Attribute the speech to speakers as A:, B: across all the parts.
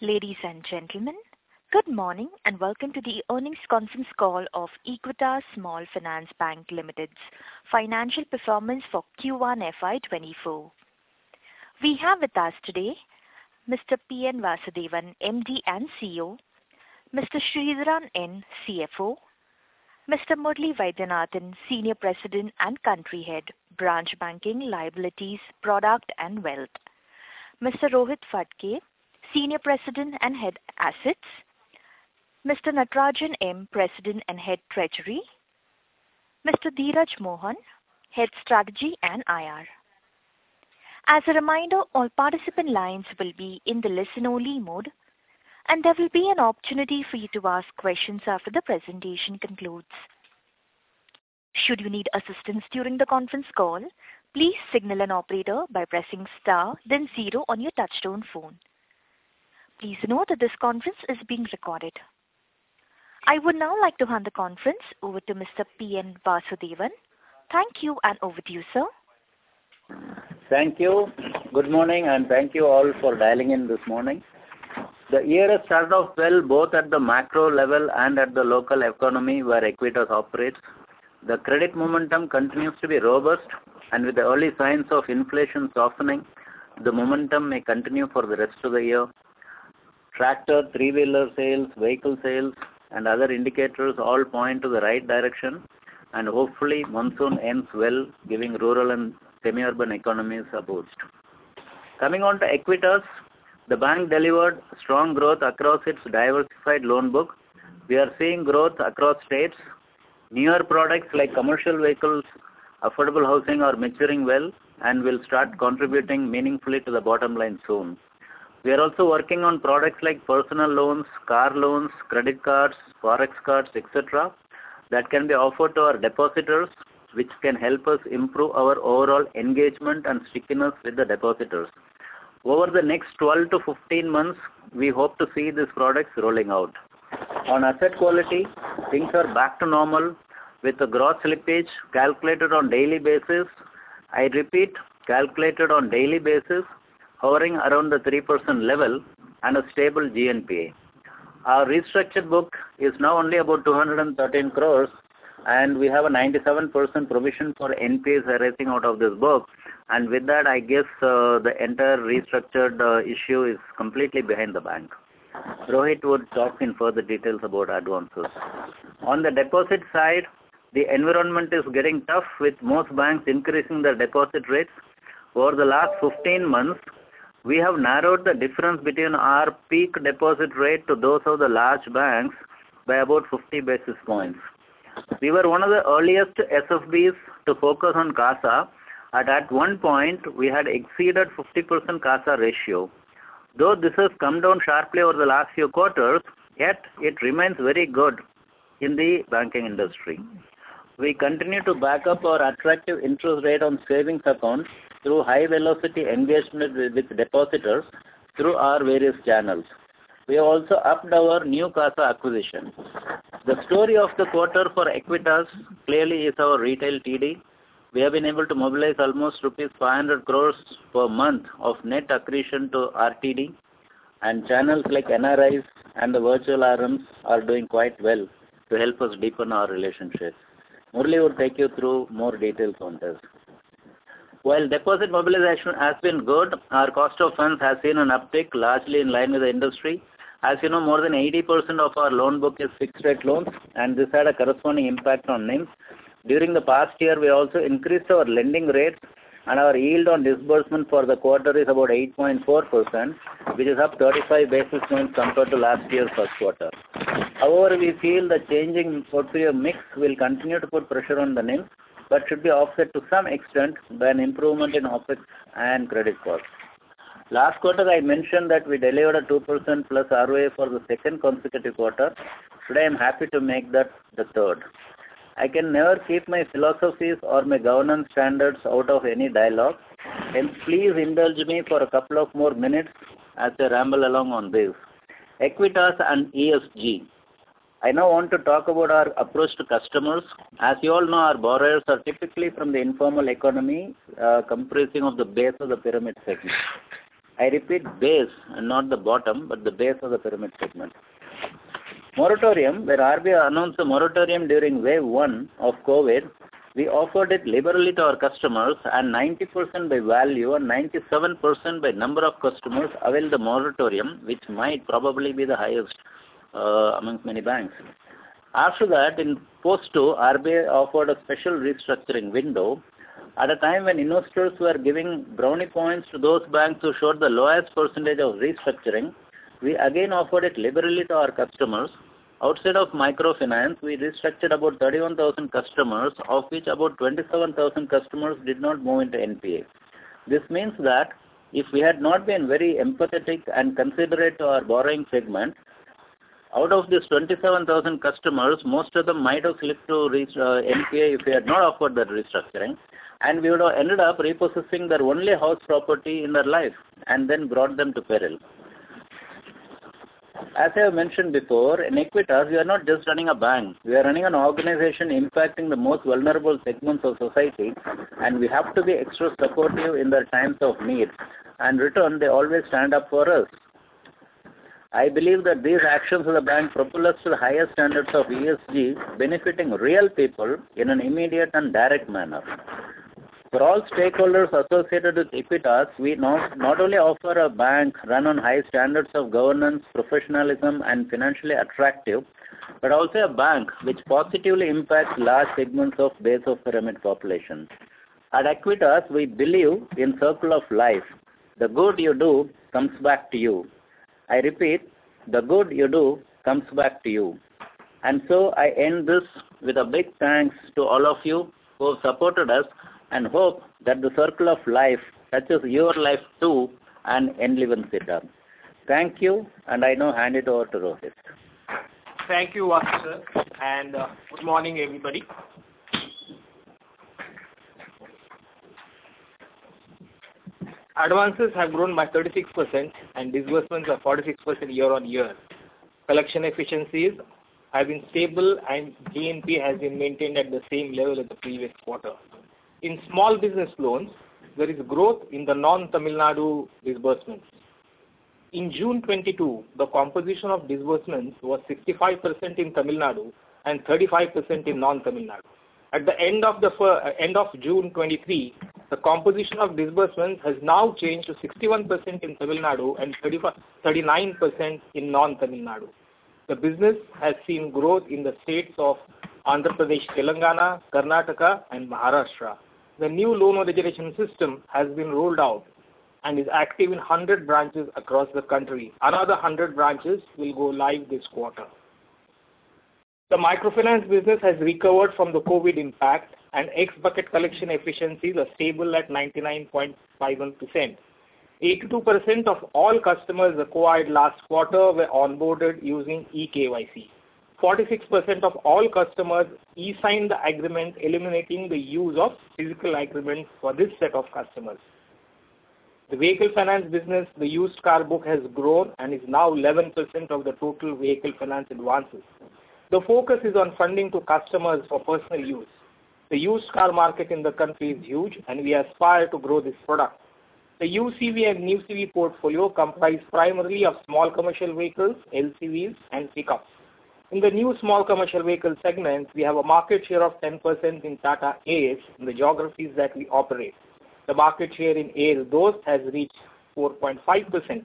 A: Ladies and gentlemen, good morning, and welcome to the earnings conference call of Equitas Small Finance Bank Limited's financial performance for Q1 FY 2024. We have with us today Mr. P.N. Vasudevan, MD and CEO, Mr. Sridharan N., CFO, Mr. Murali Vaidyanathan, Senior President and Country Head, Branch Banking, Liabilities, Product, and Wealth, Mr. Rohit Phadke, Senior President and Head Assets, Mr. Natarajan M, President and Head Treasury, Mr. Dheeraj Mohan, Head Strategy and IR. As a reminder, all participant lines will be in the listen-only mode, and there will be an opportunity for you to ask questions after the presentation concludes. Should you need assistance during the conference call, please signal an operator by pressing star then zero on your touchtone phone. Please note that this conference is being recorded. I would now like to hand the conference over to Mr. P.N. Vasudevan. Thank you, and over to you, sir.
B: Thank you. Good morning, and thank you all for dialing in this morning. The year has started off well, both at the macro level and at the local economy, where Equitas operates. The credit momentum continues to be robust, and with the early signs of inflation softening, the momentum may continue for the rest of the year. Tractor, three-wheeler sales, vehicle sales, and other indicators all point to the right direction, and hopefully, monsoon ends well, giving rural and semi-urban economies a boost. Coming on to Equitas, the bank delivered strong growth across its diversified loan book. We are seeing growth across states. Newer products like commercial vehicles, affordable housing, are maturing well and will start contributing meaningfully to the bottom line soon. We are also working on products like personal loans, car loans, credit cards, Forex cards, et cetera, that can be offered to our depositors, which can help us improve our overall engagement and stickiness with the depositors. Over the next 12-15 months, we hope to see these products rolling out. On asset quality, things are back to normal, with the gross slippage calculated on daily basis, I repeat, calculated on daily basis, hovering around the 3% level and a stable GNPA. Our restructured book is now only about 213 crore, and we have a 97% provision for NPAs arising out of this book. With that, I guess, the entire restructured issue is completely behind the bank. Rohit would talk in further details about advances. On the deposit side, the environment is getting tough, with most banks increasing their deposit rates. Over the last 15 months, we have narrowed the difference between our peak deposit rate to those of the large banks by about 50 basis points. We were one of the earliest SFBs to focus on CASA, and at one point, we had exceeded 50% CASA ratio. Though this has come down sharply over the last few quarters, yet it remains very good in the banking industry. We continue to back up our attractive interest rate on savings accounts through high-velocity engagement with depositors through our various channels. We have also upped our new CASA acquisitions. The story of the quarter for Equitas clearly is our retail TD. We have been able to mobilize almost rupees 500 crore per month of net accretion to our TD, and channels like NRIs and the virtual RMs are doing quite well to help us deepen our relationships. Murali will take you through more details on this. While deposit mobilization has been good, our cost of funds has seen an uptick, largely in line with the industry. As you know, more than 80% of our loan book is fixed-rate loans, and this had a corresponding impact on NIM. During the past year, we also increased our lending rates, and our yield on disbursement for the quarter is about 8.4%, which is up 35 basis points compared to last year's first quarter. However, we feel the changing portfolio mix will continue to put pressure on the NIM, but should be offset to some extent by an improvement in OpEx and credit costs. Last quarter, I mentioned that we delivered a 2%+ ROA for the second consecutive quarter. Today, I'm happy to make that the third. I can never keep my philosophies or my governance standards out of any dialogue, and please indulge me for a couple of more minutes as I ramble along on this. Equitas and ESG. I now want to talk about our approach to customers. As you all know, our borrowers are typically from the informal economy, comprising of the base of the pyramid segment. I repeat, base, and not the bottom, but the base of the pyramid segment. Moratorium, where RBI announced a moratorium during wave one of COVID, we offered it liberally to our customers, and 90% by value and 97% by number of customers availed the moratorium, which might probably be the highest, amongst many banks. After that, in post two, RBI offered a special restructuring window. At a time when investors were giving brownie points to those banks who showed the lowest percentage of restructuring, we again offered it liberally to our customers. Outside of microfinance, we restructured about 31,000 customers, of which about 27,000 customers did not move into NPA. This means that if we had not been very empathetic and considerate to our borrowing segment, out of these 27,000 customers, most of them might have slipped to reach NPA if we had not offered that restructuring, and we would have ended up repossessing their only house property in their life, and then brought them to peril. As I have mentioned before, in Equitas, we are not just running a bank, we are running an organization impacting the most vulnerable segments of society, and we have to be extra supportive in their times of need, and return, they always stand up for us. I believe that these actions of the bank propel us to the highest standards of ESG, benefiting real people in an immediate and direct manner. For all stakeholders associated with Equitas, we not only offer a bank run on high standards of governance, professionalism, and financially attractive, but also a bank which positively impacts large segments of base of pyramid population. At Equitas, we believe in circle of life. The good you do comes back to you. I repeat, the good you do comes back to you. And so I end this with a big thanks to all of you who have supported us, and hope that the circle of life touches your life, too, and enlivens it up. Thank you, and I now hand it over to Rohit.
C: Thank you, Vasu sir, and, good morning, everybody. Advances have grown by 36%, and disbursements are 46% year-on-year. Collection efficiencies have been stable, and GNP has been maintained at the same level as the previous quarter. In small business loans, there is growth in the non-Tamil Nadu disbursements. In June 2022, the composition of disbursements was 65% in Tamil Nadu and 35% in non-Tamil Nadu. At the end of June 2023, the composition of disbursements has now changed to 61% in Tamil Nadu and 39% in non-Tamil Nadu. The business has seen growth in the states of Andhra Pradesh, Telangana, Karnataka and Maharashtra. The new loan origination system has been rolled out and is active in 100 branches across the country. Another 100 branches will go live this quarter. The microfinance business has recovered from the COVID impact, and ex-bucket collection efficiencies are stable at 99.51%. 82% of all customers acquired last quarter were onboarded using eKYC. 46% of all customers e-signed the agreement, eliminating the use of physical agreements for this set of customers. The vehicle finance business, the used car book, has grown and is now 11% of the total vehicle finance advances. The focus is on funding to customers for personal use. The used car market in the country is huge, and we aspire to grow this product. The UCV and New CV portfolio comprise primarily of small commercial vehicles, LCVs and pickups. In the new small commercial vehicle segment, we have a market share of 10% in Tata Ace in the geographies that we operate. The market share in Ashok Leyland Dost has reached 4.5%.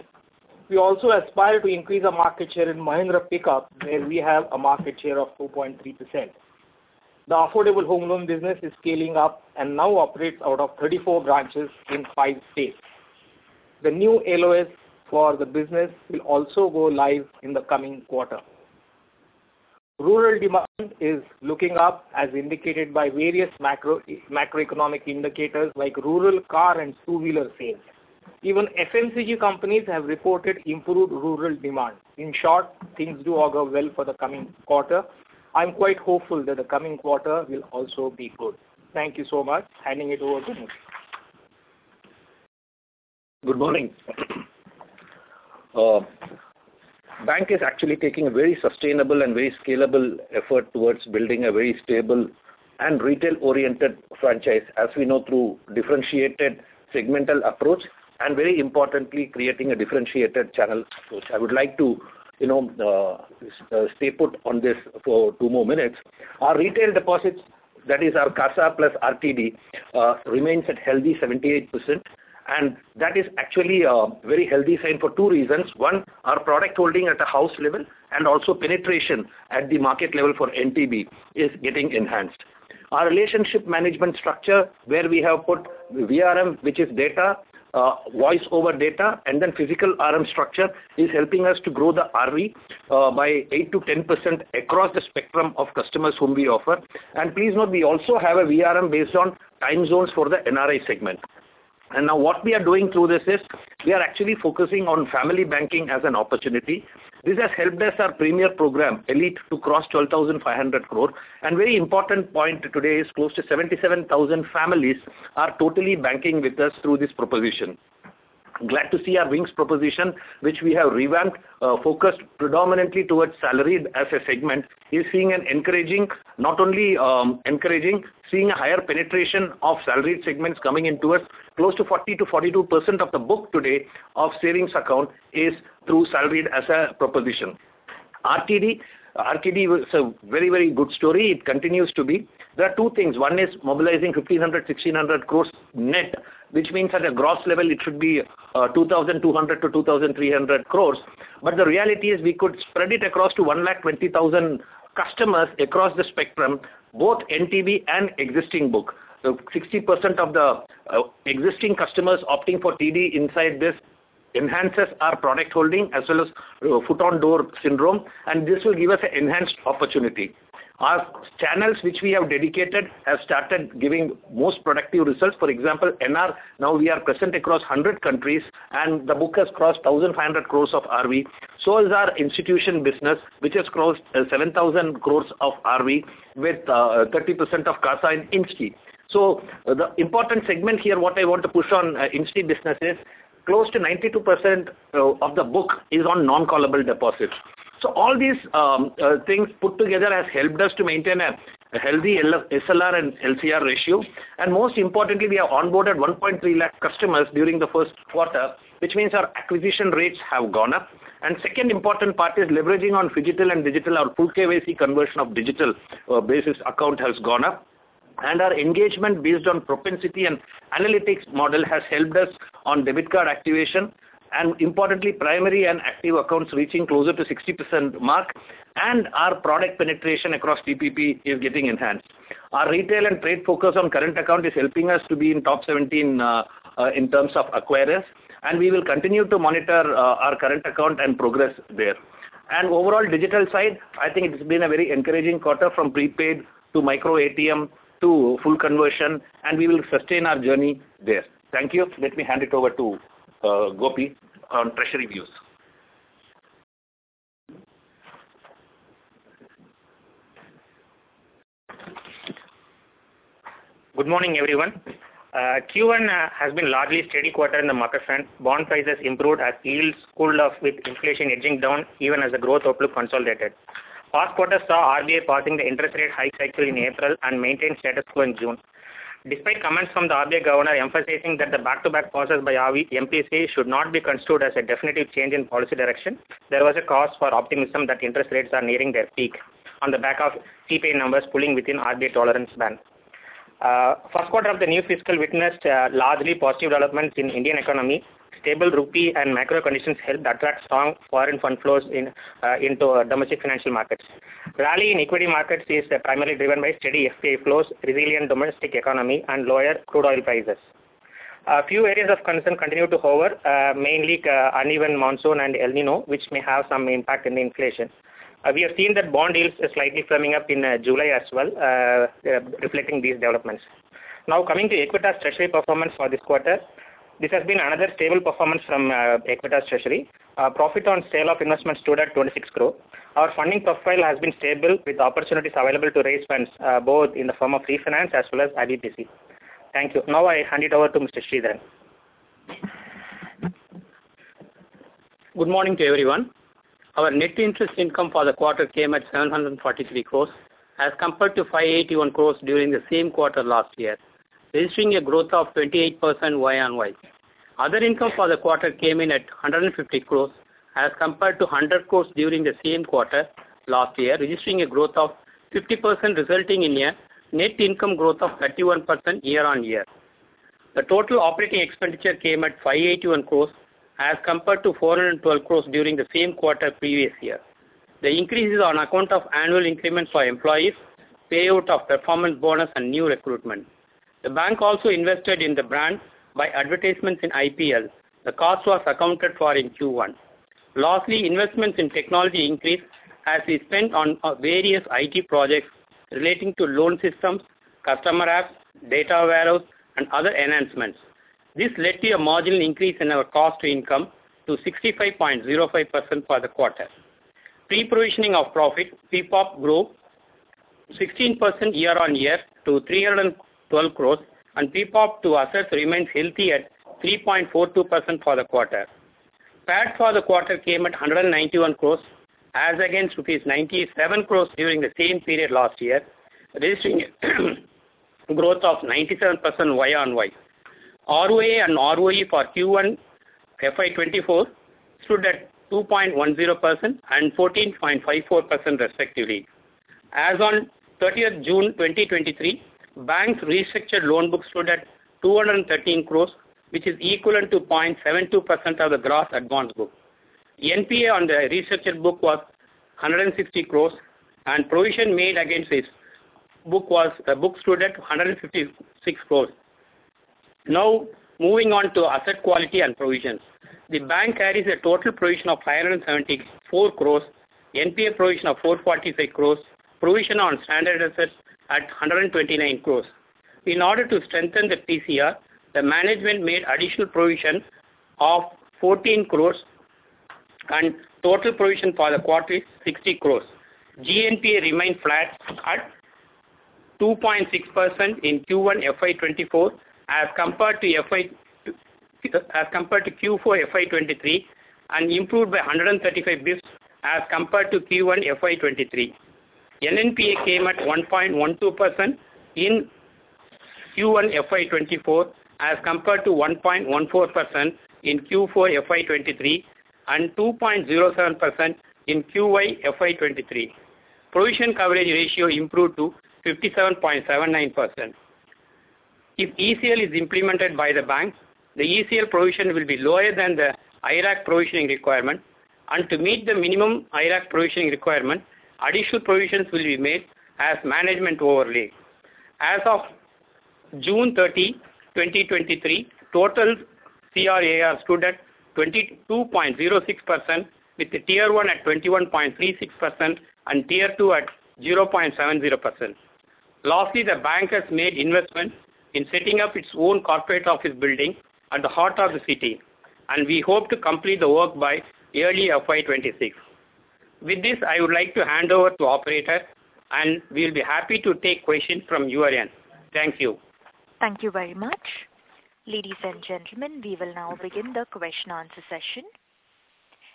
C: We also aspire to increase our market share in Mahindra Pik-Up, where we have a market share of 2.3%. The affordable home loan business is scaling up and now operates out of 34 branches in five states. The new LOS for the business will also go live in the coming quarter. Rural demand is looking up, as indicated by various macro, macroeconomic indicators like rural car and two-wheeler sales. Even FMCG companies have reported improved rural demand. In short, things do augur well for the coming quarter. I'm quite hopeful that the coming quarter will also be good. Thank you so much. Handing it over to Murali.
D: Good morning. Bank is actually taking a very sustainable and very scalable effort towards building a very stable and retail-oriented franchise, as we know, through differentiated segmental approach and, very importantly, creating a differentiated channel. So I would like to, you know, stay put on this for two more minutes. Our retail deposits, that is our CASA plus RTD, remains at healthy 78%, and that is actually a very healthy sign for two reasons: One, our product holding at a house level and also penetration at the market level for NTB is getting enhanced. Our relationship management structure, where we have put VRM, which is data, voice over data, and then physical RM structure, is helping us to grow the RV by 8%-10% across the spectrum of customers whom we offer. Please note, we also have a VRM based on time zones for the NRI segment. Now what we are doing through this is, we are actually focusing on family banking as an opportunity. This has helped us, our premier program, Elite, to cross 12,500 crore. Very important point today is close to 77,000 families are totally banking with us through this proposition. Glad to see our Wings proposition, which we have revamped, focused predominantly towards salaried as a segment, is seeing an encouraging, not only encouraging, seeing a higher penetration of salaried segments coming in to us. Close to 40%-42% of the book today of savings account is through salaried as a proposition. RTD. RTD was a very, very good story. It continues to be. There are two things: One is mobilizing 1,500 crore-1,600 crore net, which means at a gross level, it should be 2,200 crore-2,300 crore, but the reality is we could spread it across to 120,000 customers across the spectrum, both NTB and existing book. So 60% of the existing customers opting for TD inside this enhances our product holding as well as foot on door syndrome, and this will give us an enhanced opportunity. Our channels, which we have dedicated, have started giving most productive results. For example, NR, now we are present across 100 countries, and the book has crossed 1,500 crore of RV. So has our institution business, which has crossed 7,000 crore of RV with 30% of CASA in NRI. So the important segment here, what I want to push on, MSME business is, close to 92% of the book is on non-callable deposits. So all these things put together has helped us to maintain a healthy SLR and LCR ratio. And most importantly, we have onboarded 130,000 customers during the first quarter, which means our acquisition rates have gone up. And second important part is leveraging on phygital and digital, our full KYC conversion of digital basic account has gone up. And our engagement based on propensity and analytics model has helped us on debit card activation, and importantly, primary and active accounts reaching closer to 60% mark, and our product penetration across TPP is getting enhanced. Our retail and trade focus on current account is helping us to be in top 17 in terms of acquirers, and we will continue to monitor our current account and progress there. And overall digital side, I think it's been a very encouraging quarter, from prepaid to micro ATM to full conversion, and we will sustain our journey there. Thank you. Let me hand it over to Gopi, on treasury views.
E: Good morning, everyone. Q1 has been largely steady quarter in the market front. Bond prices improved as yields cooled off with inflation edging down, even as the growth outlook consolidated. First quarter saw RBI pausing the interest rate hike cycle in April and maintained status quo in June. Despite comments from the RBI governor emphasizing that the back-to-back pauses by RBI MPC should not be construed as a definitive change in policy direction, there was a cause for optimism that interest rates are nearing their peak on the back of CPI numbers pulling within RBI tolerance band. First quarter of the new fiscal witnessed largely positive developments in Indian economy. Stable rupee and macro conditions helped attract strong foreign fund flows into domestic financial markets. Rally in equity markets is primarily driven by steady FPI flows, resilient domestic economy, and lower crude oil prices. A few areas of concern continue to hover, mainly, uneven monsoon and El Niño, which may have some impact in inflation. We have seen that bond yields are slightly firming up in July as well, reflecting these developments. Now, coming to Equitas Treasury performance for this quarter, this has been another stable performance from Equitas Treasury. Our profit on sale of investments stood at 26 crore. Our funding profile has been stable, with opportunities available to raise funds, both in the form of refinance as well as IBPC. Thank you. Now, I hand it over to Mr. Sridharan.
F: Good morning to everyone. Our net interest income for the quarter came at 743 crore, as compared to 581 crore during the same quarter last year, registering a growth of 28% Y on Y. Other income for the quarter came in at 150 crore, as compared to 100 crore during the same quarter last year, registering a growth of 50%, resulting in a net income growth of 31% year on year. The total operating expenditure came at 581 crores, as compared to 412 crores during the same quarter previous year. The increases on account of annual increments for employees, payout of performance bonus, and new recruitment. The bank also invested in the brand by advertisements in IPL. The cost was accounted for in Q1. Lastly, investments in technology increased as we spent on various IT projects relating to loan systems, customer apps, data warehouse, and other enhancements. This led to a marginal increase in our cost to income to 65.05% for the quarter. Pre-provisioning of profit, PPOP, grew 16% year on year to 312 crore, and PPOP to assets remains healthy at 3.42% for the quarter. PAT for the quarter came at 191 crore, as against rupees 97 crore during the same period last year, registering growth of 97% Y on Y. ROA and ROE for Q1 FY2024 stood at 2.10% and 14.54% respectively. As on 30 June 2023, the bank's restructured loan book stood at 213 crore, which is equivalent to 0.72% of the gross advances book. NPA on the restructured book was 160 crore, and provision made against this book was book stood at 156 crore. Now, moving on to asset quality and provisions. The bank carries a total provision of 574 crore, NPA provision of 445 crore, provision on standard assets at 129 crore. In order to strengthen the PCR, the management made additional provision of 14 crore, and total provision for the quarter is 60 crore. GNPA remained flat at 2.6% in Q1 FY 2024, as compared to Q4 FY 2023, and improved by 135 basis points as compared to Q1 FY 2023. NNPA came at 1.12% in Q1 FY 2024, as compared to 1.14% in Q4 FY 2023, and 2.07% in Q1 FY 2023. Provision coverage ratio improved to 57.79%. If ECL is implemented by the bank, the ECL provision will be lower than the IRAC provisioning requirement. To meet the minimum IRAC provisioning requirement, additional provisions will be made as management overlay. As of June 30, 2023, total CRAR stood at 22.06%, with the Tier 1 at 21.36% and Tier 2 at 0.70%. Lastly, the bank has made investment in setting up its own corporate office building at the heart of the city, and we hope to complete the work by early FY 2026. With this, I would like to hand over to operator, and we'll be happy to take questions from your end. Thank you.
A: Thank you very much.... Ladies and gentlemen, we will now begin the question answer session.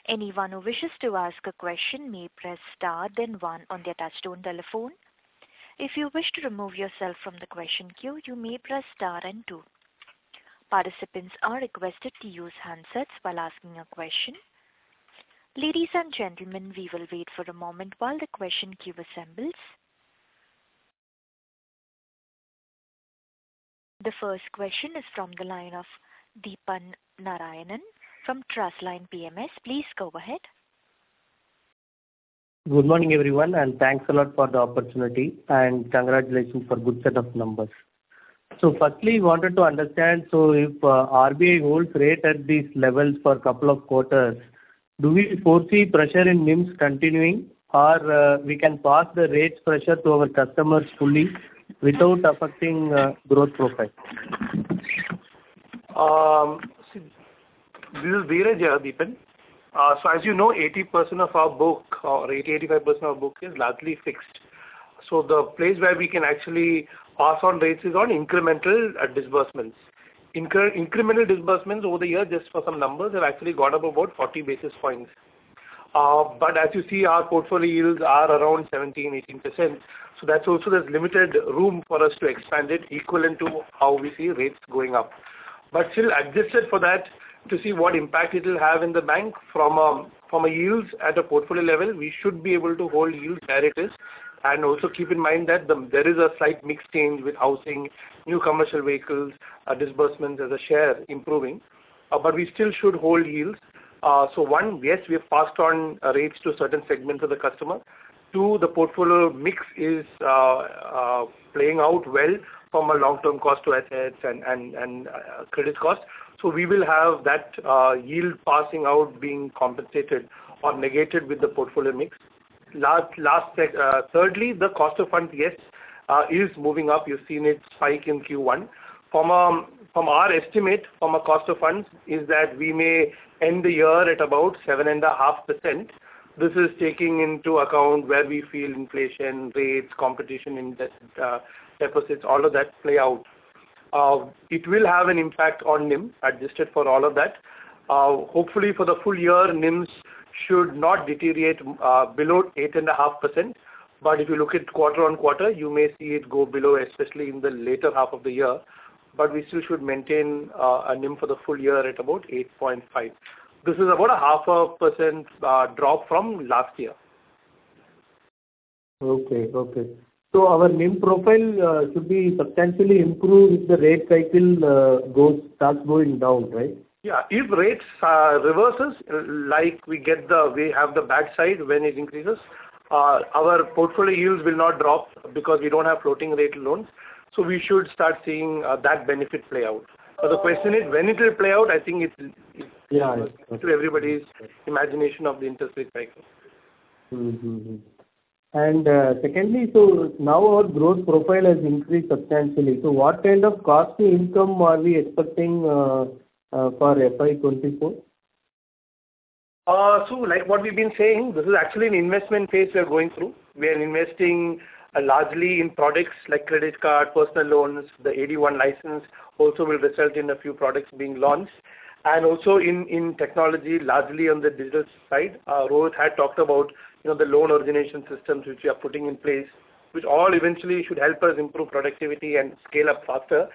A: Anyone who wishes to ask a question may press star, then one on the touchtone telephone. If you wish to remove yourself from the question queue, you may press star and two. Participants are requested to use handsets while asking a question. Ladies and gentlemen, we will wait for a moment while the question queue assembles. The first question is from the line of Deepan Narayanan from Trustline PMS. Please go ahead.
G: Good morning, everyone, and thanks a lot for the opportunity, and congratulations for good set of numbers. So firstly, we wanted to understand, so if RBI holds rate at these levels for a couple of quarters, do we foresee pressure in NIMs continuing or we can pass the rates pressure to our customers fully without affecting growth profile?
H: This is Dheeraj here, Deepan. So as you know, 80% of our book or 80%-85% of our book is largely fixed. So the place where we can actually pass on rates is on incremental disbursements. Incremental disbursements over the years, just for some numbers, have actually gone up about 40 basis points. But as you see, our portfolio yields are around 17%-18%, so that's also there's limited room for us to expand it equivalent to how we see rates going up. But still, adjusted for that, to see what impact it will have in the bank from a yields at a portfolio level, we should be able to hold yields where it is. And also keep in mind that there is a slight mix change with housing, new commercial vehicles, disbursements as a share improving, but we still should hold yields. So one, yes, we have passed on rates to certain segments of the customer. Two, the portfolio mix is playing out well from a long-term cost to assets and credit costs. So we will have that yield passing out being compensated or negated with the portfolio mix. Thirdly, the cost of funds, yes, is moving up. You've seen it spike in Q1. From our estimate from a cost of funds, is that we may end the year at about 7.5%. This is taking into account where we feel inflation, rates, competition in this, deposits, all of that play out. It will have an impact on NIM, adjusted for all of that. Hopefully, for the full year, NIMs should not deteriorate below 8.5%. But if you look at quarter-on-quarter, you may see it go below, especially in the later half of the year. But we still should maintain a NIM for the full year at about 8.5. This is about a 0.5% drop from last year.
G: Okay. Okay. Our NIM profile should be substantially improved if the rate cycle goes starts going down, right?
H: Yeah. If rates reverses, like we get the, we have the bad side when it increases, our portfolio yields will not drop because we don't have floating rate loans, so we should start seeing that benefit play out. But the question is, when it will play out, I think it's-
G: Yeah.
H: To everybody's imagination of the interest rate cycle.
G: Secondly, so now our growth profile has increased substantially. So what kind of cost to income are we expecting for FY 2024?
H: So like what we've been saying, this is actually an investment phase we are going through. We are investing largely in products like credit card, personal loans. The AD-I license also will result in a few products being launched. And also in technology, largely on the digital side, Rohit had talked about, you know, the loan origination systems which we are putting in place, which all eventually should help us improve productivity and scale up faster.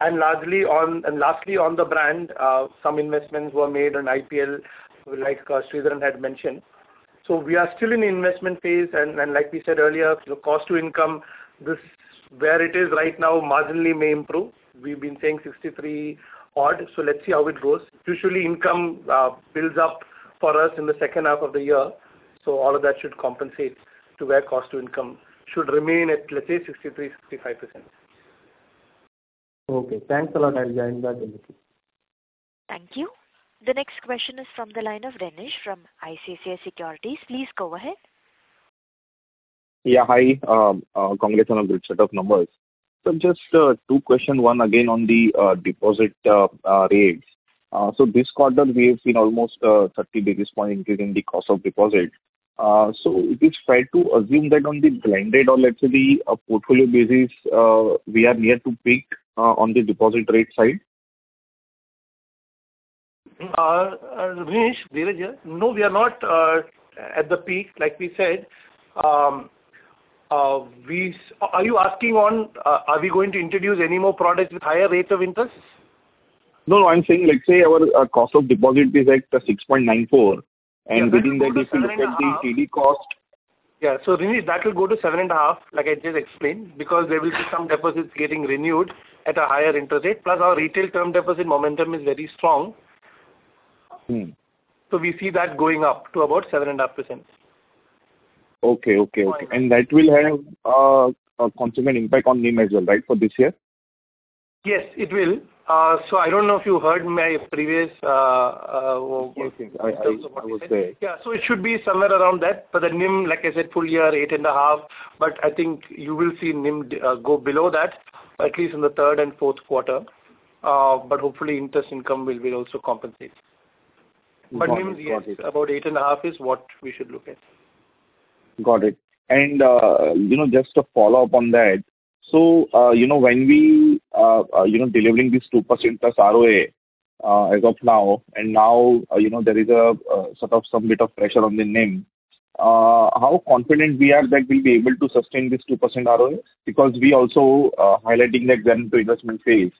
H: And largely on the brand, and lastly, on the brand, some investments were made on IPL, like Sridharan had mentioned. So we are still in investment phase, and like we said earlier, the cost to income, this, where it is right now, marginally may improve. We've been saying 63 odd, so let's see how it goes. Usually, income builds up for us in the second half of the year, so all of that should compensate to where cost to income should remain at, let's say, 63%-65%.
G: Okay. Thanks a lot, I'll join back in.
A: Thank you. The next question is from the line of Renish from ICICI Securities. Please go ahead.
I: Yeah, hi. Congratulations on a good set of numbers. So just two question, one again on the deposit rates. So this quarter, we have seen almost 30 basis point increase in the cost of deposit. So is it fair to assume that on the blended or let's say, a portfolio basis, we are near to peak on the deposit rate side?
H: Renish, Dheeraj here. No, we are not at the peak, like we said. Are you asking on, are we going to introduce any more products with higher rates of interest?
I: No, I'm saying, let's say our cost of deposit is at 6.94, and within that, if you look at the AD cost-
H: Yeah. So, Renish, that will go to 7.5, like I just explained, because there will be some deposits getting renewed at a higher interest rate, plus our retail term deposit momentum is very strong.
I: Hmm.
H: We see that going up to about 7.5%.
I: Okay. Okay.
H: Uh,
I: That will have a considerable impact on NIM as well, right, for this year?
H: Yes, it will. So I don't know if you heard my previous...
I: Yes, yes, I would say.
H: Yeah, so it should be somewhere around that. For the NIM, like I said, full year, 8.5%, but I think you will see NIM go below that, at least in the third and fourth quarter. But hopefully, interest income will be also compensate.
I: Okay.
H: NIM, yes, about 8.5 is what we should look at....
I: Got it. And, you know, just a follow-up on that. So, you know, when we, you know, delivering this 2% plus ROA, as of now, and now, you know, there is a, sort of, some bit of pressure on the NIM, how confident we are that we'll be able to sustain this 2% ROA? Because we also, highlighting that return to investment phase.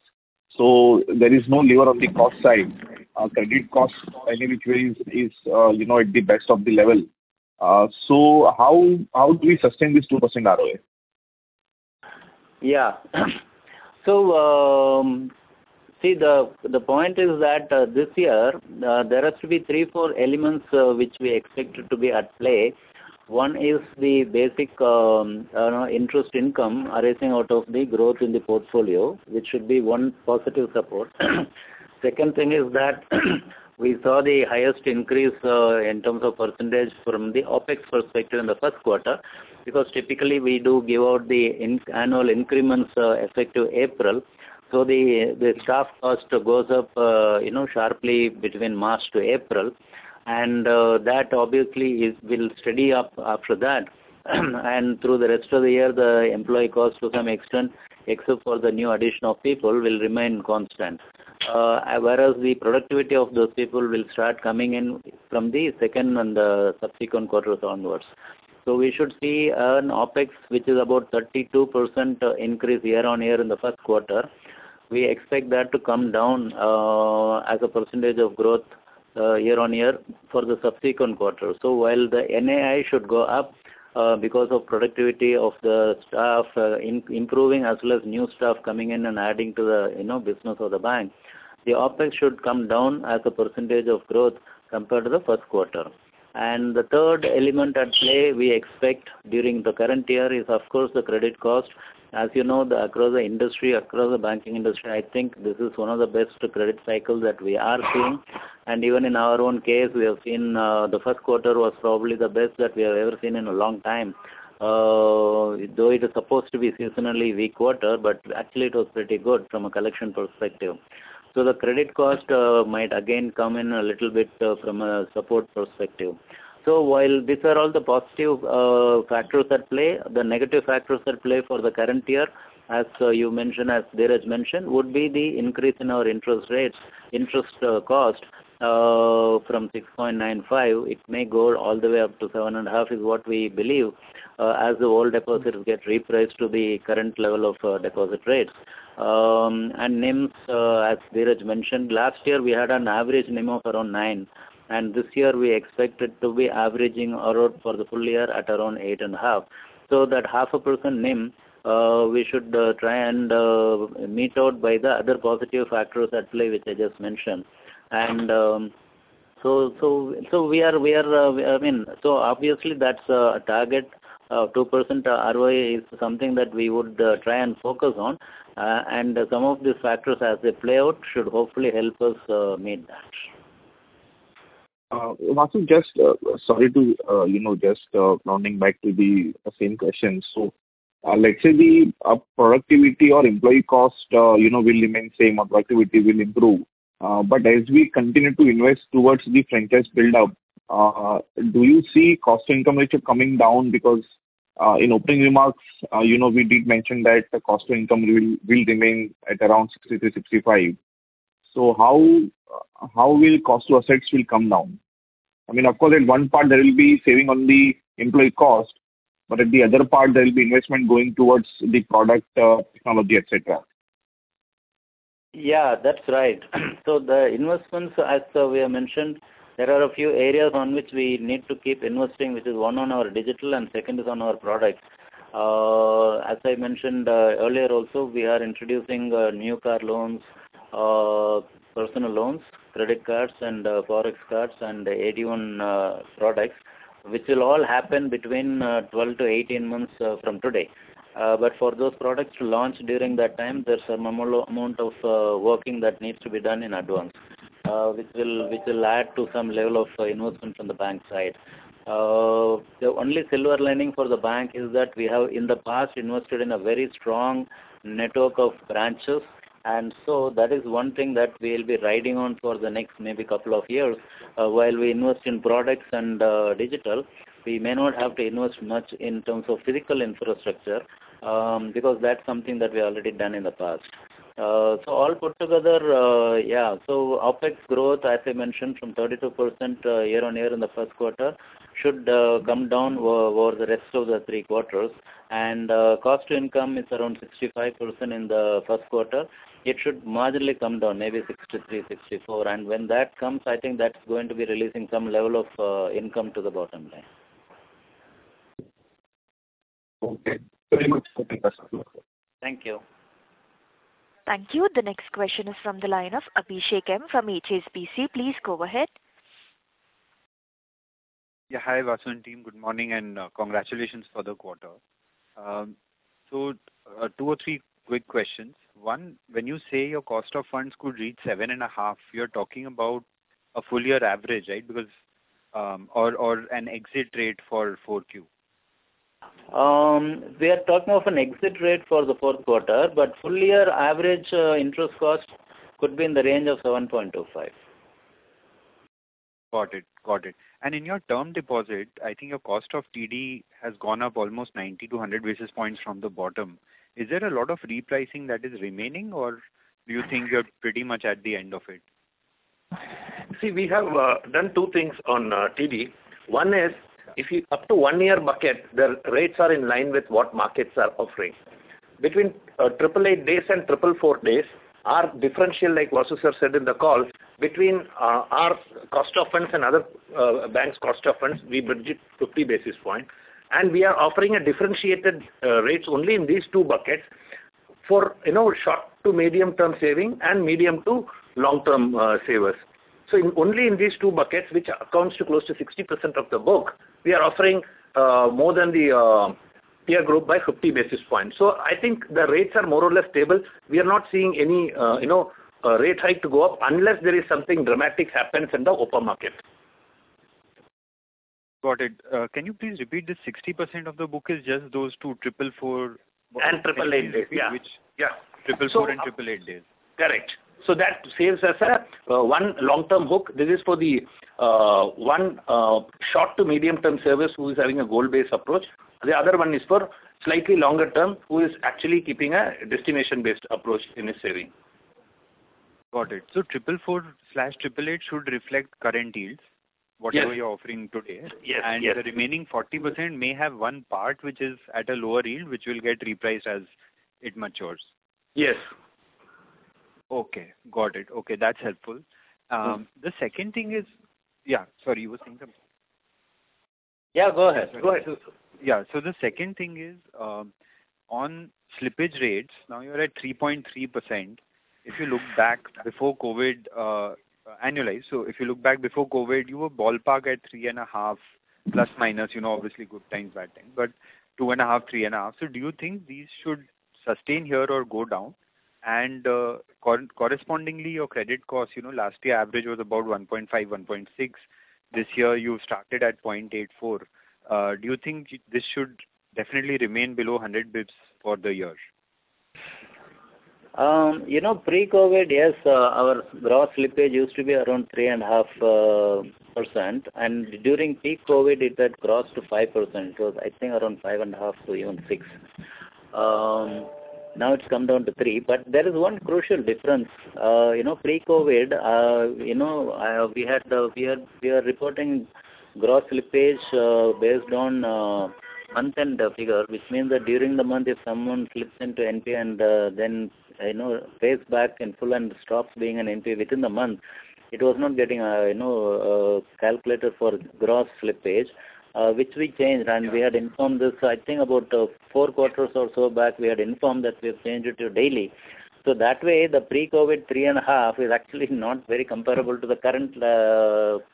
I: So there is no lever on the cost side. Our credit cost anyway is, is, you know, at the best of the level. So how, how do we sustain this 2% ROA?
B: Yeah. So, see, the point is that this year, there has to be 3, 4 elements which we expect it to be at play. One is the basic interest income arising out of the growth in the portfolio, which should be one positive support. Second thing is that we saw the highest increase in terms of percentage from the OpEx perspective in the first quarter, because typically we do give out the annual increments effective April. So the staff cost goes up, you know, sharply between March to April, and that obviously will steady up after that. Through the rest of the year, the employee costs to some extent, except for the new addition of people, will remain constant. Whereas the productivity of those people will start coming in from the second and the subsequent quarters onwards. So we should see an OpEx, which is about 32% increase year-on-year in the first quarter. We expect that to come down as a percentage of growth year-on-year for the subsequent quarter. So while the NII should go up because of productivity of the staff improving, as well as new staff coming in and adding to the, you know, business of the bank, the OpEx should come down as a percentage of growth compared to the first quarter. And the third element at play we expect during the current year is, of course, the credit cost. As you know, across the industry, across the banking industry, I think this is one of the best credit cycles that we are seeing. Even in our own case, we have seen, the first quarter was probably the best that we have ever seen in a long time. Though it is supposed to be seasonally weak quarter, but actually it was pretty good from a collection perspective. So the credit cost might again come in a little bit from a support perspective. So while these are all the positive factors at play, the negative factors at play for the current year, as you mentioned, as Dheeraj mentioned, would be the increase in our interest rates. Interest cost from 6.95, it may go all the way up to 7.5, is what we believe, as the old deposits get repriced to the current level of deposit rates. and NIMs, as Dheeraj mentioned, last year we had an average NIM of around nine, and this year we expect it to be averaging around for the full year at around 8.5. So that 0.5% NIM, we should try and make up by the other positive factors at play, which I just mentioned. And so I mean, so obviously, that's a target, 2% ROA is something that we would try and focus on. And some of these factors as they play out, should hopefully help us meet that.
I: Vasu, just, sorry to, you know, just, rounding back to the same question. So, let's say the, productivity or employee cost, you know, will remain same or productivity will improve. But as we continue to invest towards the franchise build up, do you see cost to income ratio coming down? Because, in opening remarks, you know, we did mention that the cost to income will, will remain at around 63%-65%. So how, how will cost to assets will come down? I mean, of course, at one part there will be saving on the employee cost, but at the other part, there will be investment going towards the product, technology, et cetera.
B: Yeah, that's right. So the investments, as we have mentioned, there are a few areas on which we need to keep investing, which is one on our digital and second is on our products. As I mentioned, earlier also, we are introducing new car loans, personal loans, credit cards and Forex cards and AD-I products, which will all happen between 12-18 months from today. But for those products to launch during that time, there's a minimal amount of working that needs to be done in advance, which will, which will add to some level of investment from the bank side. The only silver lining for the bank is that we have, in the past, invested in a very strong network of branches, and so that is one thing that we'll be riding on for the next maybe couple of years. While we invest in products and digital, we may not have to invest much in terms of physical infrastructure, because that's something that we already done in the past. So all put together, yeah, so OpEx growth, as I mentioned, from 32%, year-over-year in the first quarter, should come down over the rest of the three quarters. And cost to income is around 65% in the first quarter. It should marginally come down, maybe 63%-64%. And when that comes, I think that's going to be releasing some level of income to the bottom line.
I: Okay. Very much. Thank you, Vasu.
B: Thank you.
A: Thank you. The next question is from the line of Abhishek M. from HSBC. Please go ahead.
J: Yeah. Hi, Vasu and team. Good morning, and congratulations for the quarter. So, two or three quick questions. One, when you say your cost of funds could reach 7.5, you're talking about a full year average, right? Because... Or, an exit rate for 4Q.
B: We are talking of an exit rate for the fourth quarter, but full year average, interest cost could be in the range of 7.25....
J: Got it, got it. In your term deposit, I think your cost of TD has gone up almost 90-100 basis points from the bottom. Is there a lot of repricing that is remaining, or do you think you're pretty much at the end of it?
D: See, we have done two things on TD. One is, if you up to one-year bucket, the rates are in line with what markets are offering. Between 888 days and 444 days, our differential, like Vasu sir said in the call, between our cost of funds and other bank's cost of funds, we bridge it 50 basis points. And we are offering a differentiated rates only in these two buckets for, you know, short to medium-term saving and medium to long-term savers. So in only in these two buckets, which accounts to close to 60% of the book, we are offering more than the peer group by 50 basis points. So I think the rates are more or less stable. We are not seeing any, you know, rate hike to go up unless there is something dramatic happens in the open market.
J: Got it. Can you please repeat the 60% of the book is just those two, triple four-
D: And 888 days.
J: Yeah.
D: Yeah.
J: 444 and 888 days.
D: Correct. So that saves us one long-term book. This is for the one short to medium-term service who is having a goal-based approach. The other one is for slightly longer term, who is actually keeping a destination-based approach in his saving.
J: Got it. So 444/888 should reflect current yields-
D: Yes.
J: whatever you're offering today.
D: Yes, yes.
J: The remaining 40% may have one part, which is at a lower yield, which will get repriced as it matures.
D: Yes.
J: Okay, got it. Okay, that's helpful.
D: Yes.
J: The second thing is... Yeah, sorry, you were saying something?
B: Yeah, go ahead. Go ahead.
J: Yeah. So the second thing is, on slippage rates, now you're at 3.3%. If you look back before COVID, annualized, so if you look back before COVID, you were ballpark at 3.5, plus minus, you know, obviously, good times, bad times, but 2.5, 3.5. So do you think these should sustain here or go down? And, correspondingly, your credit costs, you know, last year, average was about 1.5, 1.6. This year, you started at 0.84. Do you think this should definitely remain below 100 basis points for the year?
B: You know, pre-COVID, yes, our gross slippage used to be around 3.5%, and during peak COVID, it had crossed to 5%. It was, I think, around 5.5% to even 6%. Now, it's come down to 3%, but there is one crucial difference. You know, pre-COVID, you know, we are reporting gross slippage based on month-end figure, which means that during the month, if someone slips into NP and then, you know, pays back in full and stops being an NP within the month, it was not getting, you know, calculated for gross slippage, which we changed. And we had informed this, I think about 4 quarters or so back, we had informed that we've changed it to daily. So that way, the pre-COVID 3.5 is actually not very comparable to the current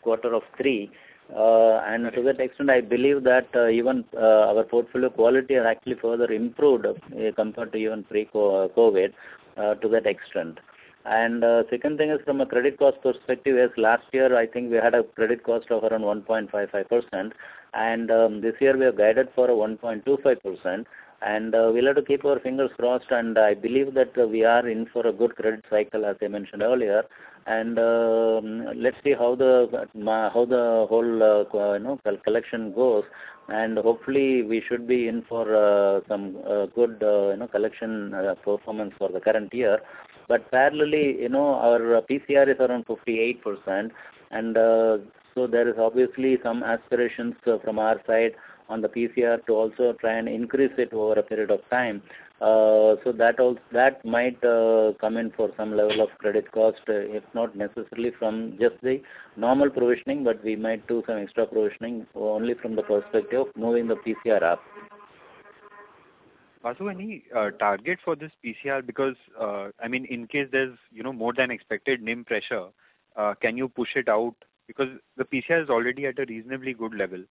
B: quarter of 3. And to that extent, I believe that even our portfolio quality are actually further improved compared to even pre-COVID, to that extent. And second thing is from a credit cost perspective is last year, I think we had a credit cost of around 1.55%, and this year we have guided for a 1.25%. And we'll have to keep our fingers crossed, and I believe that we are in for a good credit cycle, as I mentioned earlier. Let's see how the whole you know, collection goes, and hopefully we should be in for some good you know, collection performance for the current year. But parallelly, you know, our PCR is around 58%, and so there is obviously some aspirations from our side on the PCR to also try and increase it over a period of time. So that that might come in for some level of credit cost, if not necessarily from just the normal provisioning, but we might do some extra provisioning only from the perspective of moving the PCR up.
J: Vasu, any target for this PCR? Because, I mean, in case there's, you know, more than expected NIM pressure, can you push it out? Because the PCR is already at a reasonably good level.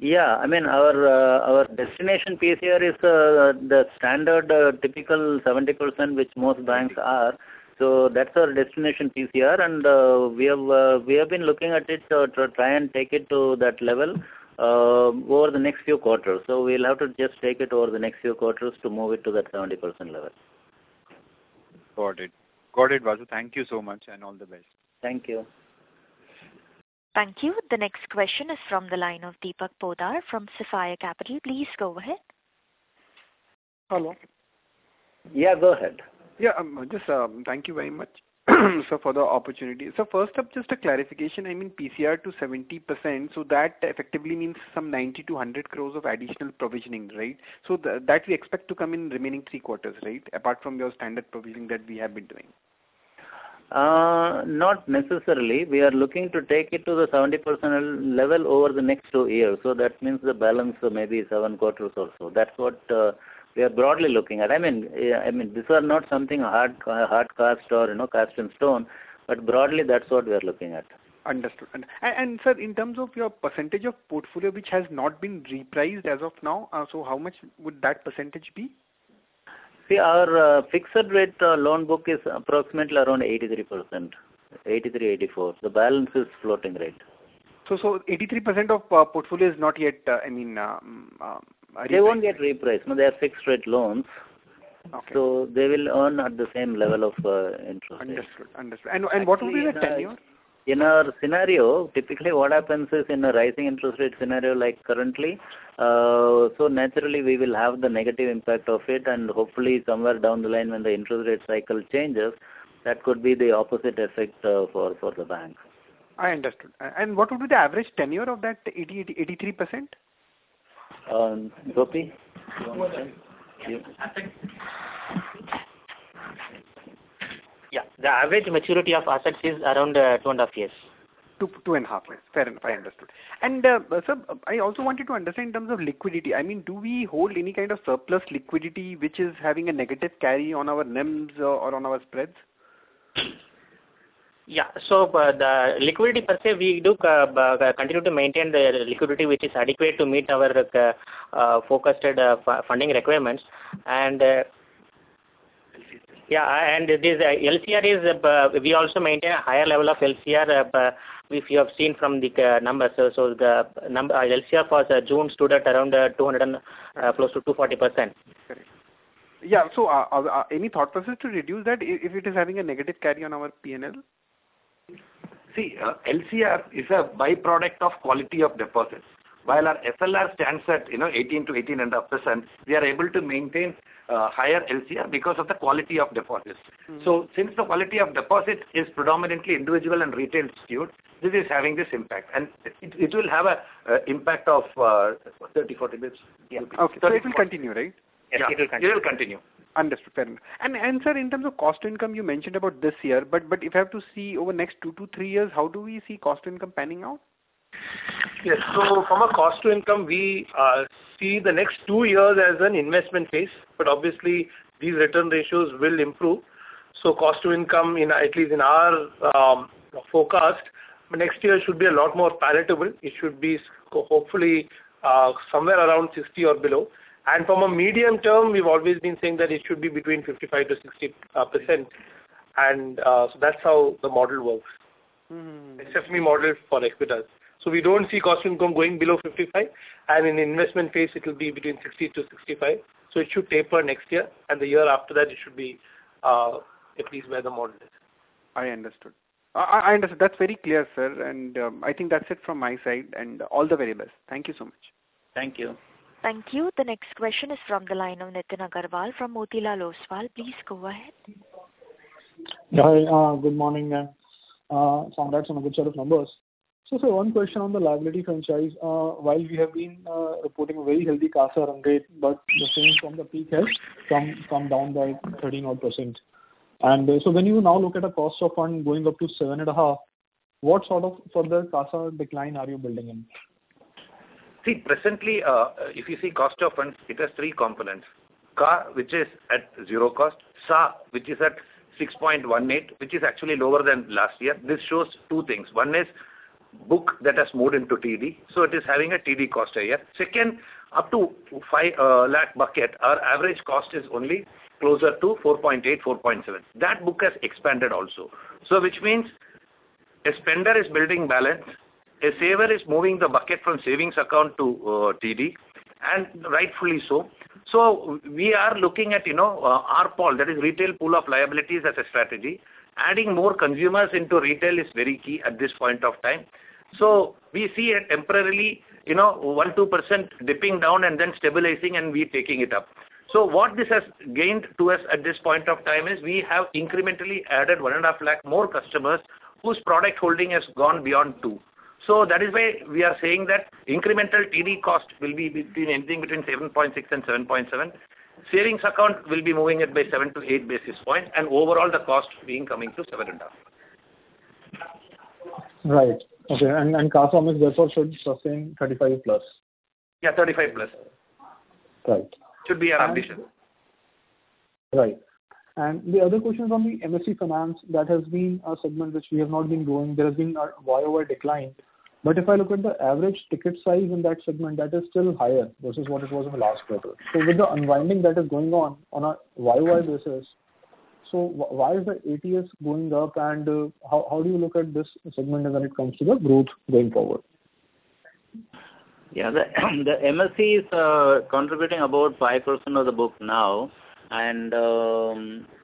B: Yeah. I mean, our destination PCR is the standard, typical 70%, which most banks are. So that's our destination PCR, and we have been looking at it to try and take it to that level over the next few quarters. So we'll have to just take it over the next few quarters to move it to that 70% level.
J: Got it. Got it, Vasu. Thank you so much, and all the best.
B: Thank you.
A: Thank you. The next question is from the line of Deepak Poddar from Sapphire Capital. Please go ahead.
K: Hello?
B: Yeah, go ahead.
K: Thank you very much, sir, for the opportunity. So first up, just a clarification, I mean, PCR to 70%, so that effectively means some 90-100 crore of additional provisioning, right? So that we expect to come in remaining three quarters, right? Apart from your standard provisioning that we have been doing.
B: Not necessarily. We are looking to take it to the 70% level over the next two years. So that means the balance may be 7 quarters or so. That's what we are broadly looking at. I mean, I mean, these are not something hard, hard cast or, you know, cast in stone, but broadly, that's what we are looking at.
K: Understood. Sir, in terms of your percentage of portfolio, which has not been repriced as of now, so how much would that percentage be?
B: See, our fixed rate loan book is approximately around 83%, 83-84. The balance is floating rate.
K: So, 83% of portfolio is not yet, I mean...
B: They won't get repriced. No, they are fixed rate loans.
D: ...So they will earn at the same level of interest.
K: Understood. Understood. And what will be the tenure?
D: In our scenario, typically what happens is, in a rising interest rate scenario like currently, so naturally we will have the negative impact of it, and hopefully somewhere down the line when the interest rate cycle changes, that could be the opposite effect, for the bank.
K: I understood. What would be the average tenure of that 80%-83%?
D: Gopi, do you want to-
E: Yeah. The average maturity of assets is around 2.5 years.
K: 2, 2.5 years. Fair, I understood. And, sir, I also wanted to understand in terms of liquidity. I mean, do we hold any kind of surplus liquidity which is having a negative carry on our NIMS or on our spreads?
E: Yeah. But the liquidity per se, we do continue to maintain the liquidity, which is adequate to meet our forecasted funding requirements. And-
D: LCR.
E: Yeah, and it is, LCR is, we also maintain a higher level of LCR, if you have seen from the numbers. So LCR for June stood at around 200 and close to 240%.
K: Correct. Yeah, so, any thought process to reduce that if it is having a negative carry on our P&L?
D: See, LCR is a by-product of quality of deposits. While our SLR stands at, you know, 18%-18.5%, we are able to maintain higher LCR because of the quality of deposits.
K: Mm.
D: So since the quality of deposit is predominantly individual and retail skewed, this is having this impact, and it will have a impact of 30-40 basis.
K: Okay. So it will continue, right?
D: Yeah. It will continue.
K: Understood. Fair enough. Sir, in terms of cost to income, you mentioned about this year, but if I have to see over the next two to three years, how do we see cost to income panning out?
H: Yes. So from a cost to income, we see the next two years as an investment phase, but obviously these return ratios will improve. So cost to income in, at least in our forecast, next year should be a lot more palatable. It should be hopefully somewhere around 60% or below. And from a medium term, we've always been saying that it should be between 55%-60%. And so that's how the model works.
K: Mm.
H: It's definitely modeled for Equitas. So we don't see cost income going below 55, and in investment phase it will be between 60-65. So it should taper next year, and the year after that, it should be at least where the model is.
K: I understood. I understand. That's very clear, sir, and I think that's it from my side, and all the very best. Thank you so much.
H: Thank you.
A: Thank you. The next question is from the line of Nitin Aggarwal from Motilal Oswal. Please go ahead.
L: Hi, good morning, ma'am. Sounds like a good set of numbers. So one question on the liability franchise. While we have been reporting a very healthy CASA run rate, but the same from the peak has come down by 13 odd %. And so when you now look at the cost of fund going up to 7.5, what sort of further CASA decline are you building in?
D: See, presently, if you see cost of funds, it has three components: CASA, which is at 0 cost; SA, which is at 6.18, which is actually lower than last year. This shows 2 things. One is book that has moved into TD, so it is having a TD cost a year. Second, up to 5 lakh bucket, our average cost is only closer to 4.8, 4.7. That book has expanded also. So which means a spender is building balance, a saver is moving the bucket from savings account to TD, and rightfully so. So we are looking at, you know, RPAL, that is retail pool of liabilities as a strategy. Adding more consumers into retail is very key at this point of time. So we see it temporarily, you know, 1-2% dipping down and then stabilizing and we taking it up. So what this has gained to us at this point of time is we have incrementally added 150,000 more customers whose product holding has gone beyond 2. So that is why we are saying that incremental TD cost will be between, anything between 7.6-7.7. Savings account will be moving it by 7-8 basis points, and overall the cost being coming to 7.5.
L: Right. Okay, and, and CASA is therefore should sustain 35+?
D: Yeah, 35+.
L: Right.
D: Should be our ambition.
L: Right. The other question is on the MSE finance. That has been a segment which we have not been growing. There has been a YoY decline. But if I look at the average ticket size in that segment, that is still higher versus what it was in the last quarter. So with the unwinding that is going on on a YoY basis, why is the ATS going up, and how do you look at this segment as when it comes to the growth going forward?
B: Yeah, the MSE is contributing about 5% of the book now. And,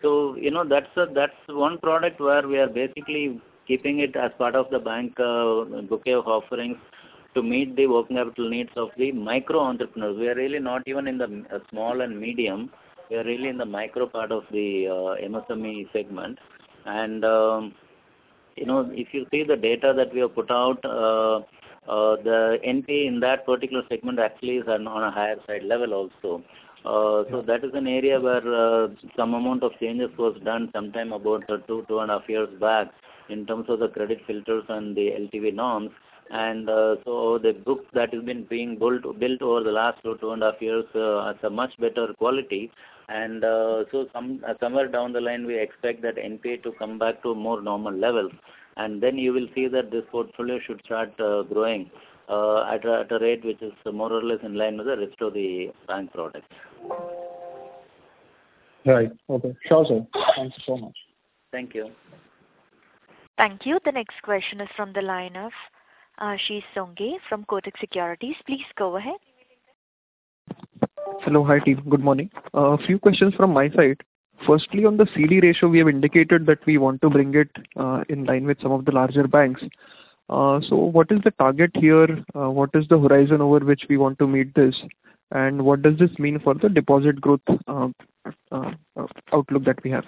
B: so you know, that's the, that's one product where we are basically keeping it as part of the bank bouquet of offerings to meet the working capital needs of the micro entrepreneurs. We are really not even in the small and medium. We are really in the micro part of the MSME segment. And, you know, if you see the data that we have put out, the NP in that particular segment actually is on a higher side level also. So that is an area where some amount of changes was done sometime about 2-2.5 years back in terms of the credit filters and the LTV norms. So the book that has been being built over the last 2.5 years has a much better quality. So somewhere down the line, we expect that NPA to come back to a more normal level. Then you will see that this portfolio should start growing at a rate which is more or less in line with the rest of the bank products.
L: Right. Okay. Sure, sir. Thank you so much.
B: Thank you.
A: ...Thank you. The next question is from the line of, Ashlesh Sonje from Kotak Securities. Please go ahead.
M: Hello. Hi, team. Good morning. A few questions from my side. Firstly, on the CD ratio, we have indicated that we want to bring it in line with some of the larger banks. So what is the target here? What is the horizon over which we want to meet this? And what does this mean for the deposit growth outlook that we have?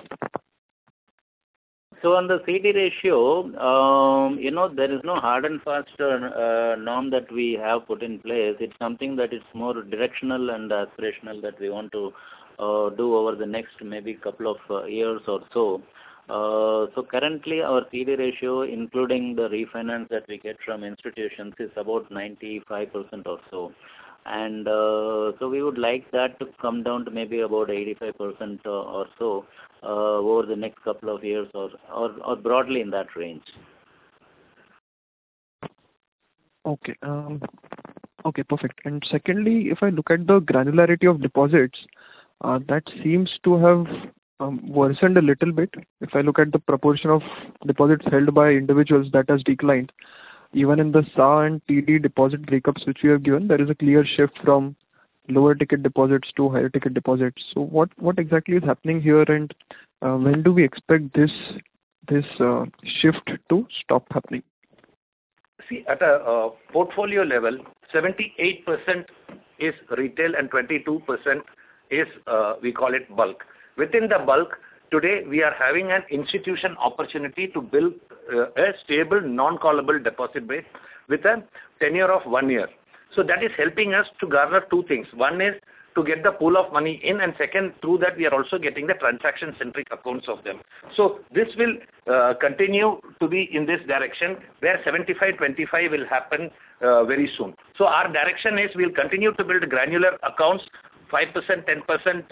B: So on the CD ratio, you know, there is no hard and fast norm that we have put in place. It's something that is more directional and aspirational that we want to do over the next maybe couple of years or so. So currently, our CD ratio, including the refinance that we get from institutions, is about 95% or so. And so we would like that to come down to maybe about 85% or so over the next couple of years or broadly in that range.
M: Okay. Okay, perfect. And secondly, if I look at the granularity of deposits, that seems to have worsened a little bit. If I look at the proportion of deposits held by individuals, that has declined. Even in the SA and TD deposit breakups, which you have given, there is a clear shift from lower-ticket deposits to higher-ticket deposits. So what, what exactly is happening here, and, when do we expect this, this, shift to stop happening?
D: See, at a portfolio level, 78% is retail and 22% is, we call it bulk. Within the bulk, today, we are having an institution opportunity to build, a stable, non-callable deposit base with a tenure of 1 year. So that is helping us to garner 2 things. One is to get the pool of money in, and second, through that, we are also getting the transaction-centric accounts of them. So this will continue to be in this direction, where 75/25 will happen, very soon. So our direction is we'll continue to build granular accounts, 5%, 10%,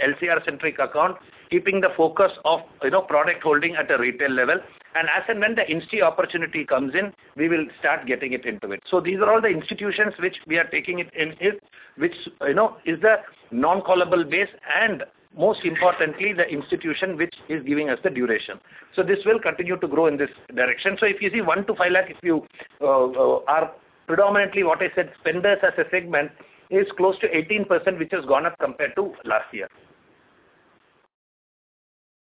D: LCR-centric account, keeping the focus of, you know, product holding at a retail level. And as and when the insti opportunity comes in, we will start getting it into it. So these are all the institutions which we are taking it in, is which, you know, is the non-callable base and most importantly, the institution which is giving us the duration. So this will continue to grow in this direction. So if you see 1 lakh-5 lakh, if you are predominantly what I said, spenders as a segment, is close to 18%, which has gone up compared to last year.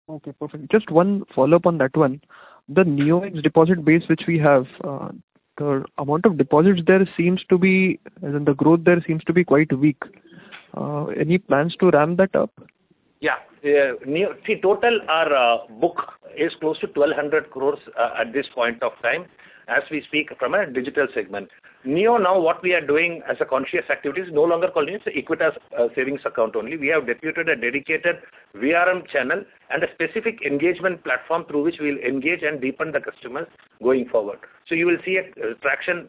M: Okay, perfect. Just one follow-up on that one. The NiyoX deposit base, which we have, the amount of deposits there seems to be... and the growth there seems to be quite weak. Any plans to ramp that up?
D: Yeah. Yeah, NiyoX... See, total, our book is close to 1,200 crore at this point of time, as we speak from a digital segment. NiyoX, now, what we are doing as a conscious activity is no longer calling it Equitas savings account only. We have deputed a dedicated VRM channel and a specific engagement platform through which we'll engage and deepen the customers going forward. So you will see a traction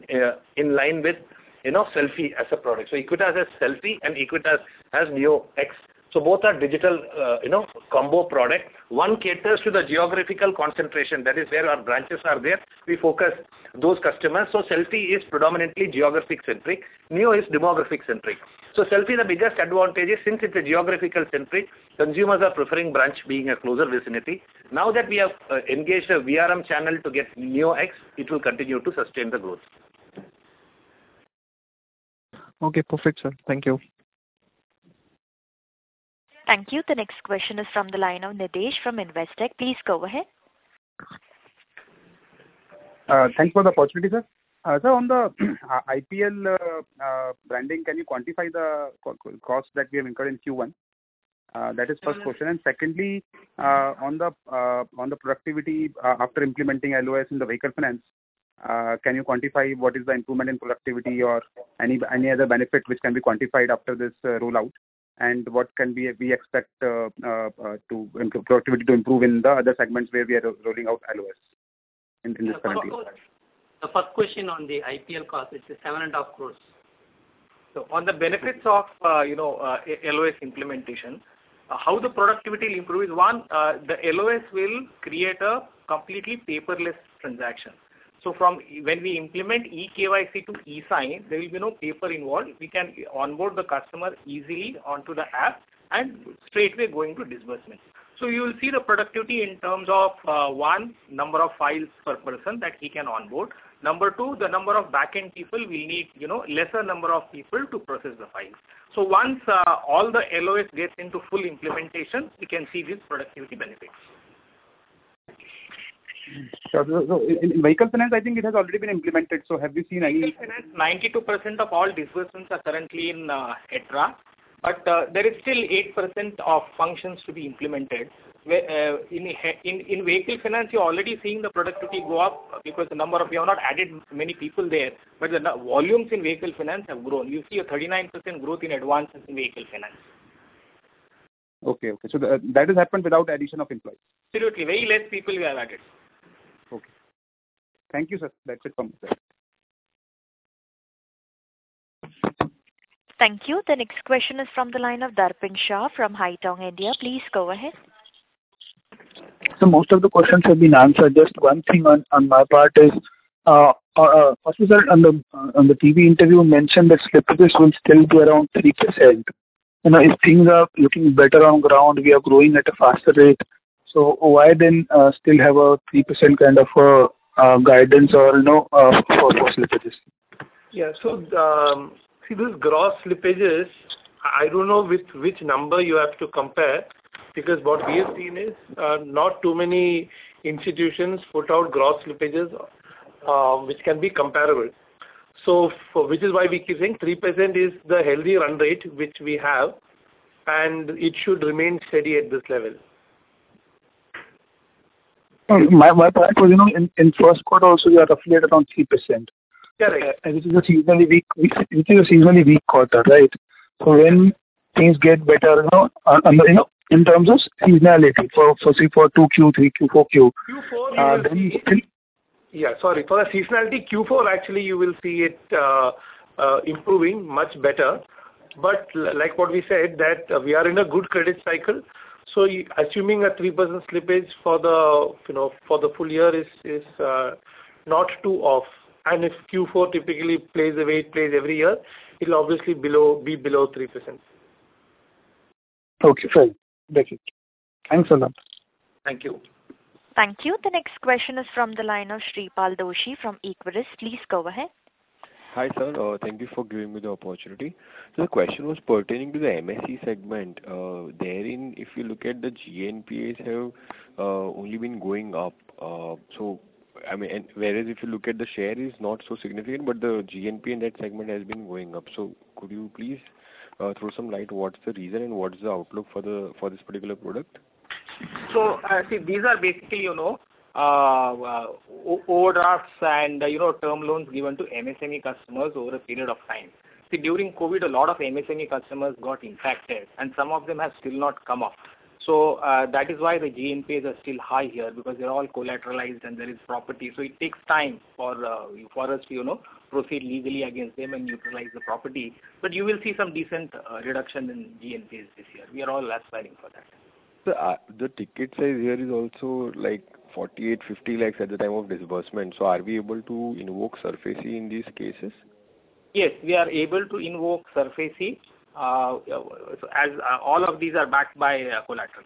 D: in line with, you know, Selfe as a product. So Equitas is Selfe and Equitas as NiyoX. So both are digital, you know, combo product. One caters to the geographical concentration, that is, where our branches are there, we focus those customers. So Selfe is predominantly geographic-centric. NiyoX is demographic-centric. So Selfe, the biggest advantage is, since it's a geographical-centric, consumers are preferring branch being a closer vicinity. Now that we have engaged a VRM channel to get NiyoX, it will continue to sustain the growth.
M: Okay. Perfect, sir. Thank you.
A: Thank you. The next question is from the line of Nidhesh from Investec. Please go ahead.
N: Thanks for the opportunity, sir. So on the IPL branding, can you quantify the cost that we have incurred in Q1? That is the first question. And secondly, on the productivity after implementing LOS in the vehicle finance, can you quantify what is the improvement in productivity or any other benefit which can be quantified after this rollout? And what can we expect productivity to improve in the other segments where we are rolling out LOS in this current quarter?
F: The first question on the IPL cost, it's 7.5 crore.
C: So on the benefits of, you know, LOS implementation, how the productivity will improve is, one, the LOS will create a completely paperless transaction. So from when we implement eKYC to eSign, there will be no paper involved. We can onboard the customer easily onto the app and straightaway go into disbursement. So you will see the productivity in terms of, one, number of files per person that he can onboard. Number two, the number of back-end people we need, you know, lesser number of people to process the files. So once, all the LOS gets into full implementation, we can see this productivity benefits.
N: So, in vehicle finance, I think it has already been implemented, so have you seen any-
C: Vehicle finance, 92% of all disbursements are currently in HETRA, but there is still 8% of functions to be implemented. Where in vehicle finance, you're already seeing the productivity go up because the number of... We have not added many people there, but the volumes in vehicle finance have grown. You see a 39% growth in advances in vehicle finance.
N: Okay, okay. So that, that has happened without addition of employees?
C: Absolutely. Very less people we have added.
N: Okay. Thank you, sir. That's it from me, sir.
A: Thank you. The next question is from the line of Darpin Shah from Haitong Securities. Please go ahead.
O: So most of the questions have been answered. Just one thing on my part is first, on the TV interview, you mentioned that slippages will still be around 3%.... you know, if things are looking better on ground, we are growing at a faster rate, so why then still have a 3% kind of guidance or, you know, for gross slippages?
H: Yeah. So, see, these gross slippages, I don't know which number you have to compare, because what we have seen is, not too many institutions put out gross slippages, which can be comparable. So for which is why we keep saying 3% is the healthy run rate which we have, and it should remain steady at this level.
O: My point was, you know, in first quarter also, you are roughly at around 3%.
H: Yeah, right.
O: This is a seasonally weak—it is a seasonally weak quarter, right? So when things get better, you know, you know, in terms of seasonality for say 2Q, 3Q, 4Q.
H: Q4 is-
O: Then we still-
H: Yeah, sorry. For the seasonality, Q4 actually you will see it improving much better. But like what we said, that we are in a good credit cycle, so assuming a 3% slippage for the, you know, for the full year is not too off. And if Q4 typically plays the way it plays every year, it'll obviously be below 3%.
O: Okay, fine. Thank you. Thanks a lot.
H: Thank you.
A: Thank you. The next question is from the line of Shreepal Doshi from Equirus. Please go ahead.
P: Hi, sir. Thank you for giving me the opportunity. So the question was pertaining to the MSME segment. Therein, if you look at the GNPA have only been going up. So I mean, and whereas if you look at the share is not so significant, but the GNPA in that segment has been going up. So could you please throw some light. What's the reason and what is the outlook for this particular product?
C: So, see, these are basically, you know, overdrafts and, you know, term loans given to MSME customers over a period of time. See, during COVID, a lot of MSME customers got infected, and some of them have still not come up. So, that is why the GNPA are still high here, because they're all collateralized and there is property. So it takes time for us to, you know, proceed legally against them and utilize the property. But you will see some decent reduction in GNPA this year. We are all aspiring for that.
P: Sir, the ticket size here is also, like, 48 lakh-50 lakh at the time of disbursement. So are we able to invoke SARFAESI in these cases?
C: Yes, we are able to invoke SARFAESI, as all of these are backed by collateral.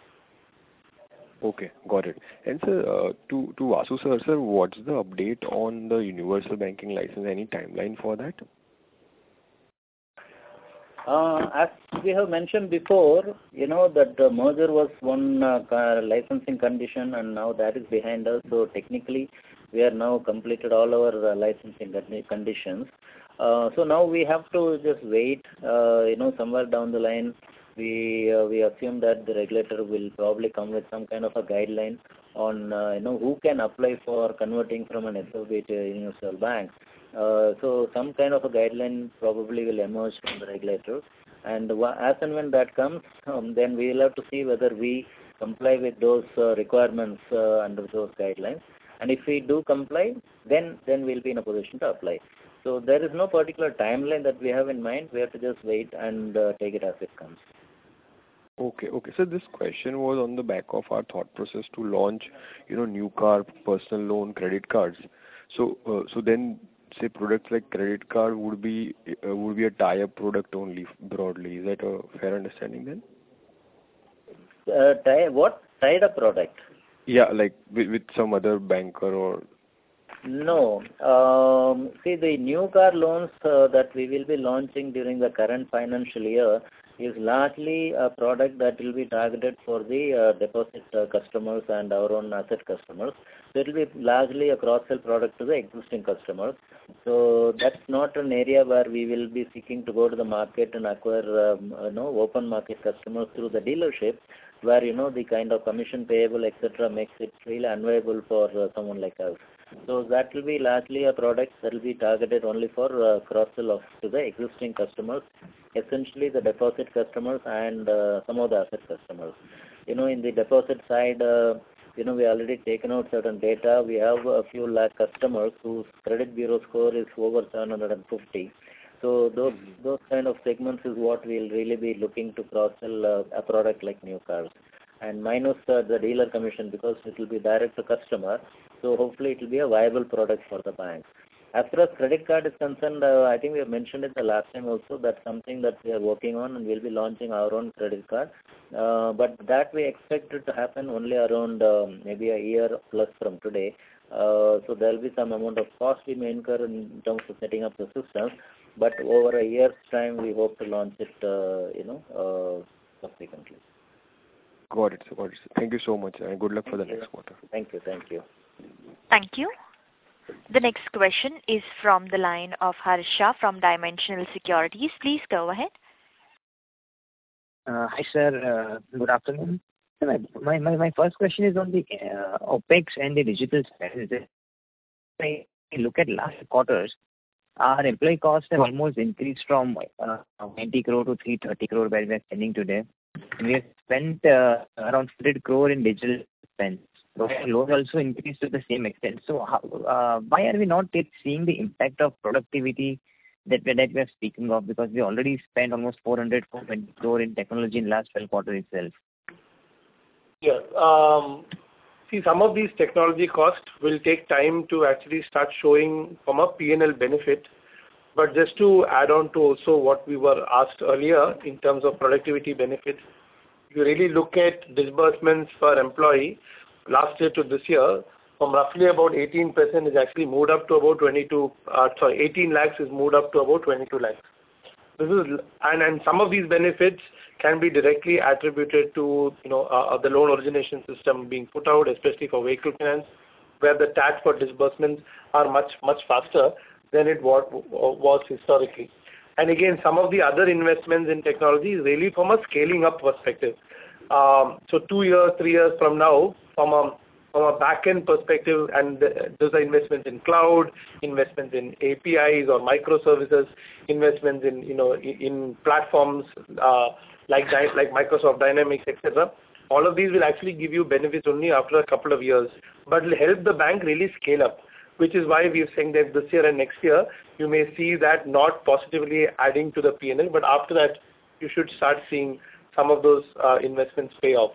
P: Okay, got it. And sir, to Vasu sir, sir, what's the update on the universal banking license? Any timeline for that?
B: As we have mentioned before, you know, that the merger was one licensing condition, and now that is behind us. So technically, we are now completed all our licensing conditions. So now we have to just wait, you know, somewhere down the line, we assume that the regulator will probably come with some kind of a guideline on, you know, who can apply for converting from an SFB to a universal bank. So some kind of a guideline probably will emerge from the regulators. And as and when that comes, then we will have to see whether we comply with those requirements under those guidelines. And if we do comply, then we'll be in a position to apply. So there is no particular timeline that we have in mind. We have to just wait and take it as it comes.
P: Okay, okay. So this question was on the back of our thought process to launch, you know, new car, personal loan, credit cards. So, so then, say, products like credit card would be, would be a tie-up product only, broadly. Is that a fair understanding then?
B: Tie what? Tie-up product?
P: Yeah, like with, with some other bank or...
B: No. See, the new car loans that we will be launching during the current financial year is largely a product that will be targeted for the deposit customers and our own asset customers. So it'll be largely a cross-sell product to the existing customers. So that's not an area where we will be seeking to go to the market and acquire, you know, open market customers through the dealership, where, you know, the kind of commission payable, et cetera, makes it really unviable for someone like us. So that will be largely a product that will be targeted only for cross-sell of to the existing customers, essentially the deposit customers and some of the asset customers. You know, in the deposit side, you know, we already taken out certain data. We have a few large customers whose credit bureau score is over 750. So those, those kind of segments is what we'll really be looking to cross-sell a product like new cars. And minus the dealer commission, because it will be direct to customer, so hopefully it will be a viable product for the bank. As far as credit card is concerned, I think we have mentioned it the last time also, that's something that we are working on, and we'll be launching our own credit card. But that we expect it to happen only around maybe a year plus from today. So there will be some amount of cost we may incur in terms of setting up the system, but over a year's time, we hope to launch it, you know, subsequently.
P: Got it. Got it. Thank you so much, and good luck for the next quarter.
B: Thank you. Thank you.
A: Thank you. The next question is from the line of Harsh from Dimensional Securities. Please go ahead.
Q: Hi, sir. Good afternoon. My, my, my first question is on the, OpEx and the digital space. I, I look at last quarter's, our employee costs have almost increased from, 90 crore to 330 crore, where we are standing today. We have spent, around 300 crore in digital spend. Load also increased to the same extent. So how, why are we not yet seeing the impact of productivity that we, that we are speaking of? Because we already spent almost 400 crore in technology in last 12 quarters itself?
H: Yeah. See, some of these technology costs will take time to actually start showing from a P&L benefit. But just to add on to also what we were asked earlier in terms of productivity benefits, you really look at disbursements per employee last year to this year, from roughly about 18% is actually moved up to about 22 lakh, 18 lakh is moved up to about 22 lakh. This is, and some of these benefits can be directly attributed to, you know, the loan origination system being put out, especially for vehicle loans, where the time for disbursements are much, much faster than it was historically. And again, some of the other investments in technology is really from a scaling up perspective. So two years, three years from now, from a back-end perspective, and those are investments in cloud, investments in APIs or microservices, investments in, you know, platforms like Microsoft Dynamics, etc. All of these will actually give you benefits only after a couple of years, but will help the bank really scale up, which is why we are saying that this year and next year, you may see that not positively adding to the PNL, but after that, you should start seeing some of those investments pay off.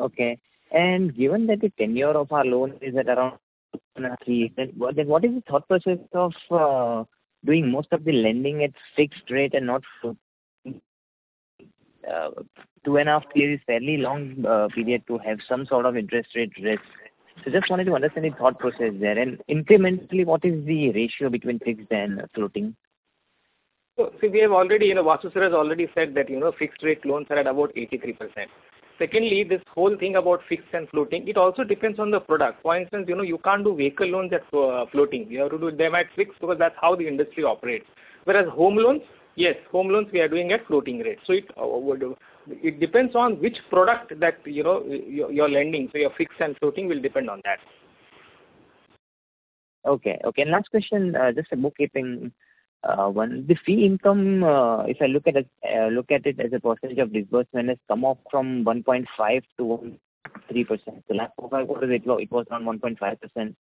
Q: Okay. And given that the tenure of our loan is at around two and a half years, then what is the thought process of doing most of the lending at fixed rate and not, two and a half years is fairly long period to have some sort of interest rate risk. So just wanted to understand the thought process there. And incrementally, what is the ratio between fixed and floating?
C: So, we have already, you know, Vasu sir has already said that, you know, fixed rate loans are at about 83%. Secondly, this whole thing about fixed and floating, it also depends on the product. For instance, you know, you can't do vehicle loans at floating. You have to do them at fixed because that's how the industry operates. Whereas home loans, yes, home loans we are doing at floating rates. So it, it depends on which product that, you know, you're lending, so your fixed and floating will depend on that.
Q: Okay, okay. Last question, just a bookkeeping one. The fee income, if I look at it, look at it as a percentage of disbursement, has come up from 1.5%-3%. The last time I looked at it, it was around 1.5%.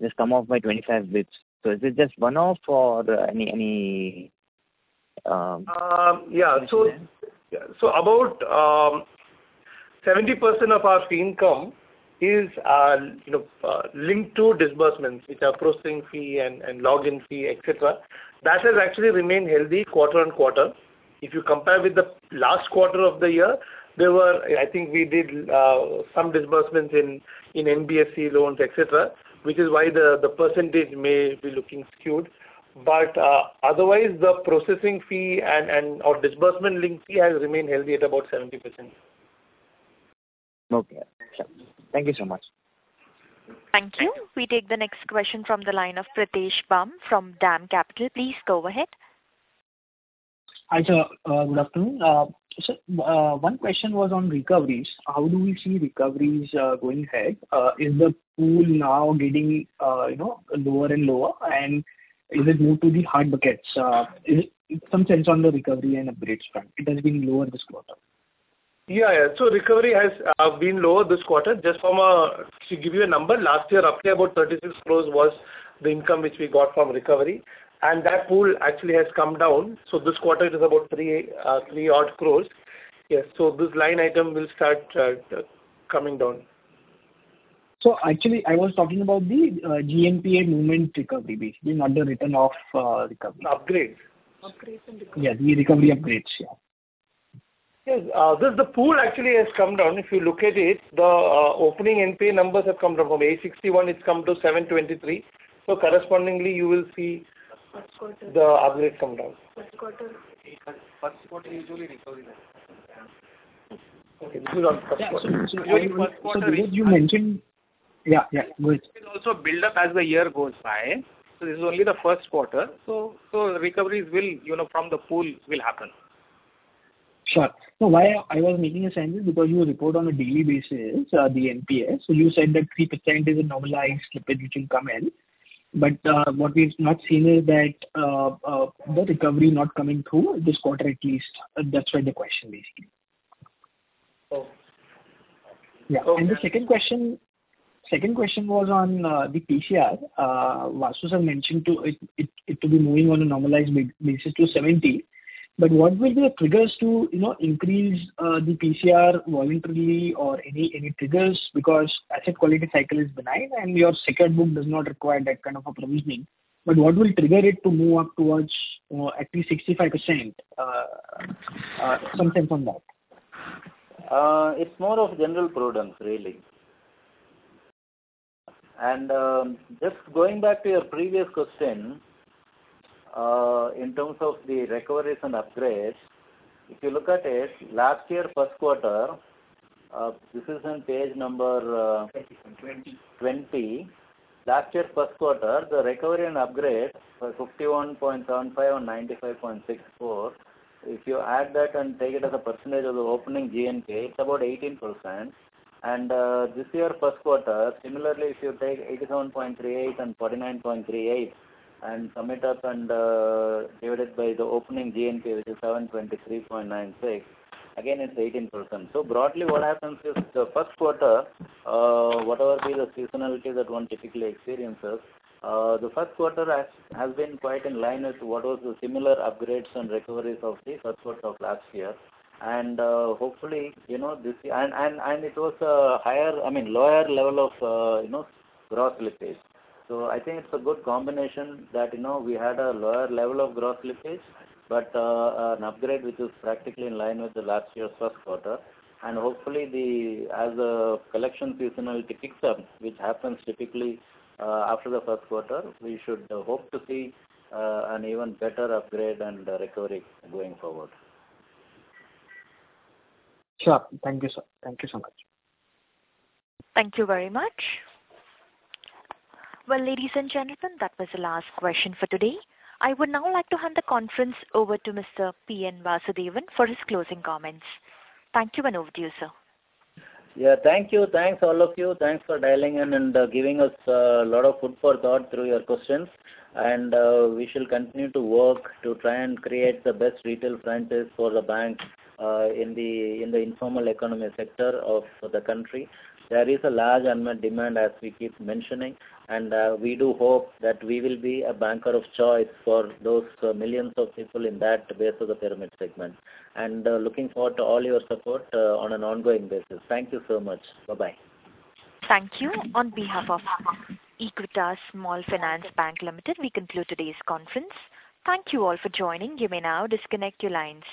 Q: Just come up by 25 bps. So is it just one-off or any, any,
H: Yeah. So about 70% of our fee income is, you know, linked to disbursements, which are processing fee and login fee, et cetera. That has actually remained healthy quarter-over-quarter. If you compare with the last quarter of the year, there were... I think we did some disbursements in NBFC loans, et cetera, which is why the percentage may be looking skewed. But otherwise, the processing fee and or disbursement link fee has remained healthy at about 70%.
Q: Okay. Thank you so much.
A: Thank you. We take the next question from the line of Pritesh Bumb from DAM Capital. Please go ahead.
R: Hi, sir. Good afternoon. So, one question was on recoveries. How do we see recoveries going ahead? Is the pool now getting, you know, lower and lower? And is it due to the hard buckets? Is some sense on the recovery and upgrades front. It has been lower this quarter.
H: Yeah, yeah. So recovery has been lower this quarter, just from a- to give you a number, last year, roughly about 36 crore was the income which we got from recovery, and that pool actually has come down. So this quarter it is about 3 odd crore. Yes. So this line item will start coming down.
R: So actually, I was talking about the GNPA movement recovery, basically, not the written-off recovery.
H: Upgrades. Upgrades and recovery.
R: Yeah, the recovery upgrades, yeah.
H: Yes. Just the pool actually has come down. If you look at it, the opening NPA numbers have come down. From 861, it's come to 723, so correspondingly, you will see- First quarter. the upgrades come down.
R: First quarter.
H: First quarter, usually recovery then.
R: Okay.
H: This is on first quarter.
R: So you mentioned... Yeah, yeah, go ahead.
H: It will also build up as the year goes by. So this is only the first quarter. So the recoveries will, you know, from the pool, will happen.
R: Sure. So why I was making a sentence, because you report on a daily basis, the NPA. So you said that 3% is a normalized slippage which will come in. But, what we've not seen is that, the recovery not coming through this quarter, at least. That's why the question, basically.
H: Oh.
R: Yeah.
H: Okay.
R: The second question was on the PCR. Vasu sir mentioned to it to be moving on a normalized basis to 70. But what will be the triggers to, you know, increase the PCR voluntarily or any triggers? Because asset quality cycle is benign, and your second book does not require that kind of a provisioning. But what will trigger it to move up towards at least 65%? Some sense on that.
B: It's more of general prudence, really. Just going back to your previous question, in terms of the recoveries and upgrades, if you look at it, last year, first quarter, this is on page number-
H: Twenty.
B: Twenty. Last year, first quarter, the recovery and upgrades were 51.75 and 95.64. If you add that and take it as a percentage of the opening GNPA, it's about 18%. And this year, first quarter, similarly, if you take 87.38 and 49.38 and sum it up and divide it by the opening GNPA, which is 723.96, again, it's 18%. So broadly, what happens is the first quarter, whatever be the seasonality that one typically experiences, the first quarter has been quite in line with what was the similar upgrades and recoveries of the first quarter of last year. And hopefully, you know, this year... And it was a higher, I mean, lower level of, you know, growth slippage. I think it's a good combination that, you know, we had a lower level of growth slippage, but an upgrade which is practically in line with the last year's first quarter. Hopefully, as the collection seasonality picks up, which happens typically after the first quarter, we should hope to see an even better upgrade and recovery going forward.
R: Sure. Thank you, sir. Thank you so much.
A: Thank you very much. Well, ladies and gentlemen, that was the last question for today. I would now like to hand the conference over to Mr. P.N. Vasudevan for his closing comments. Thank you, and over to you, sir.
B: Yeah, thank you. Thanks, all of you. Thanks for dialing in and giving us a lot of food for thought through your questions. And we shall continue to work to try and create the best retail practice for the bank in the informal economy sector of the country. There is a large unmet demand, as we keep mentioning, and we do hope that we will be a banker of choice for those millions of people in that base of the pyramid segment. And looking forward to all your support on an ongoing basis. Thank you so much. Bye-bye.
A: Thank you. On behalf of Equitas Small Finance Bank Limited, we conclude today's conference. Thank you all for joining. You may now disconnect your lines.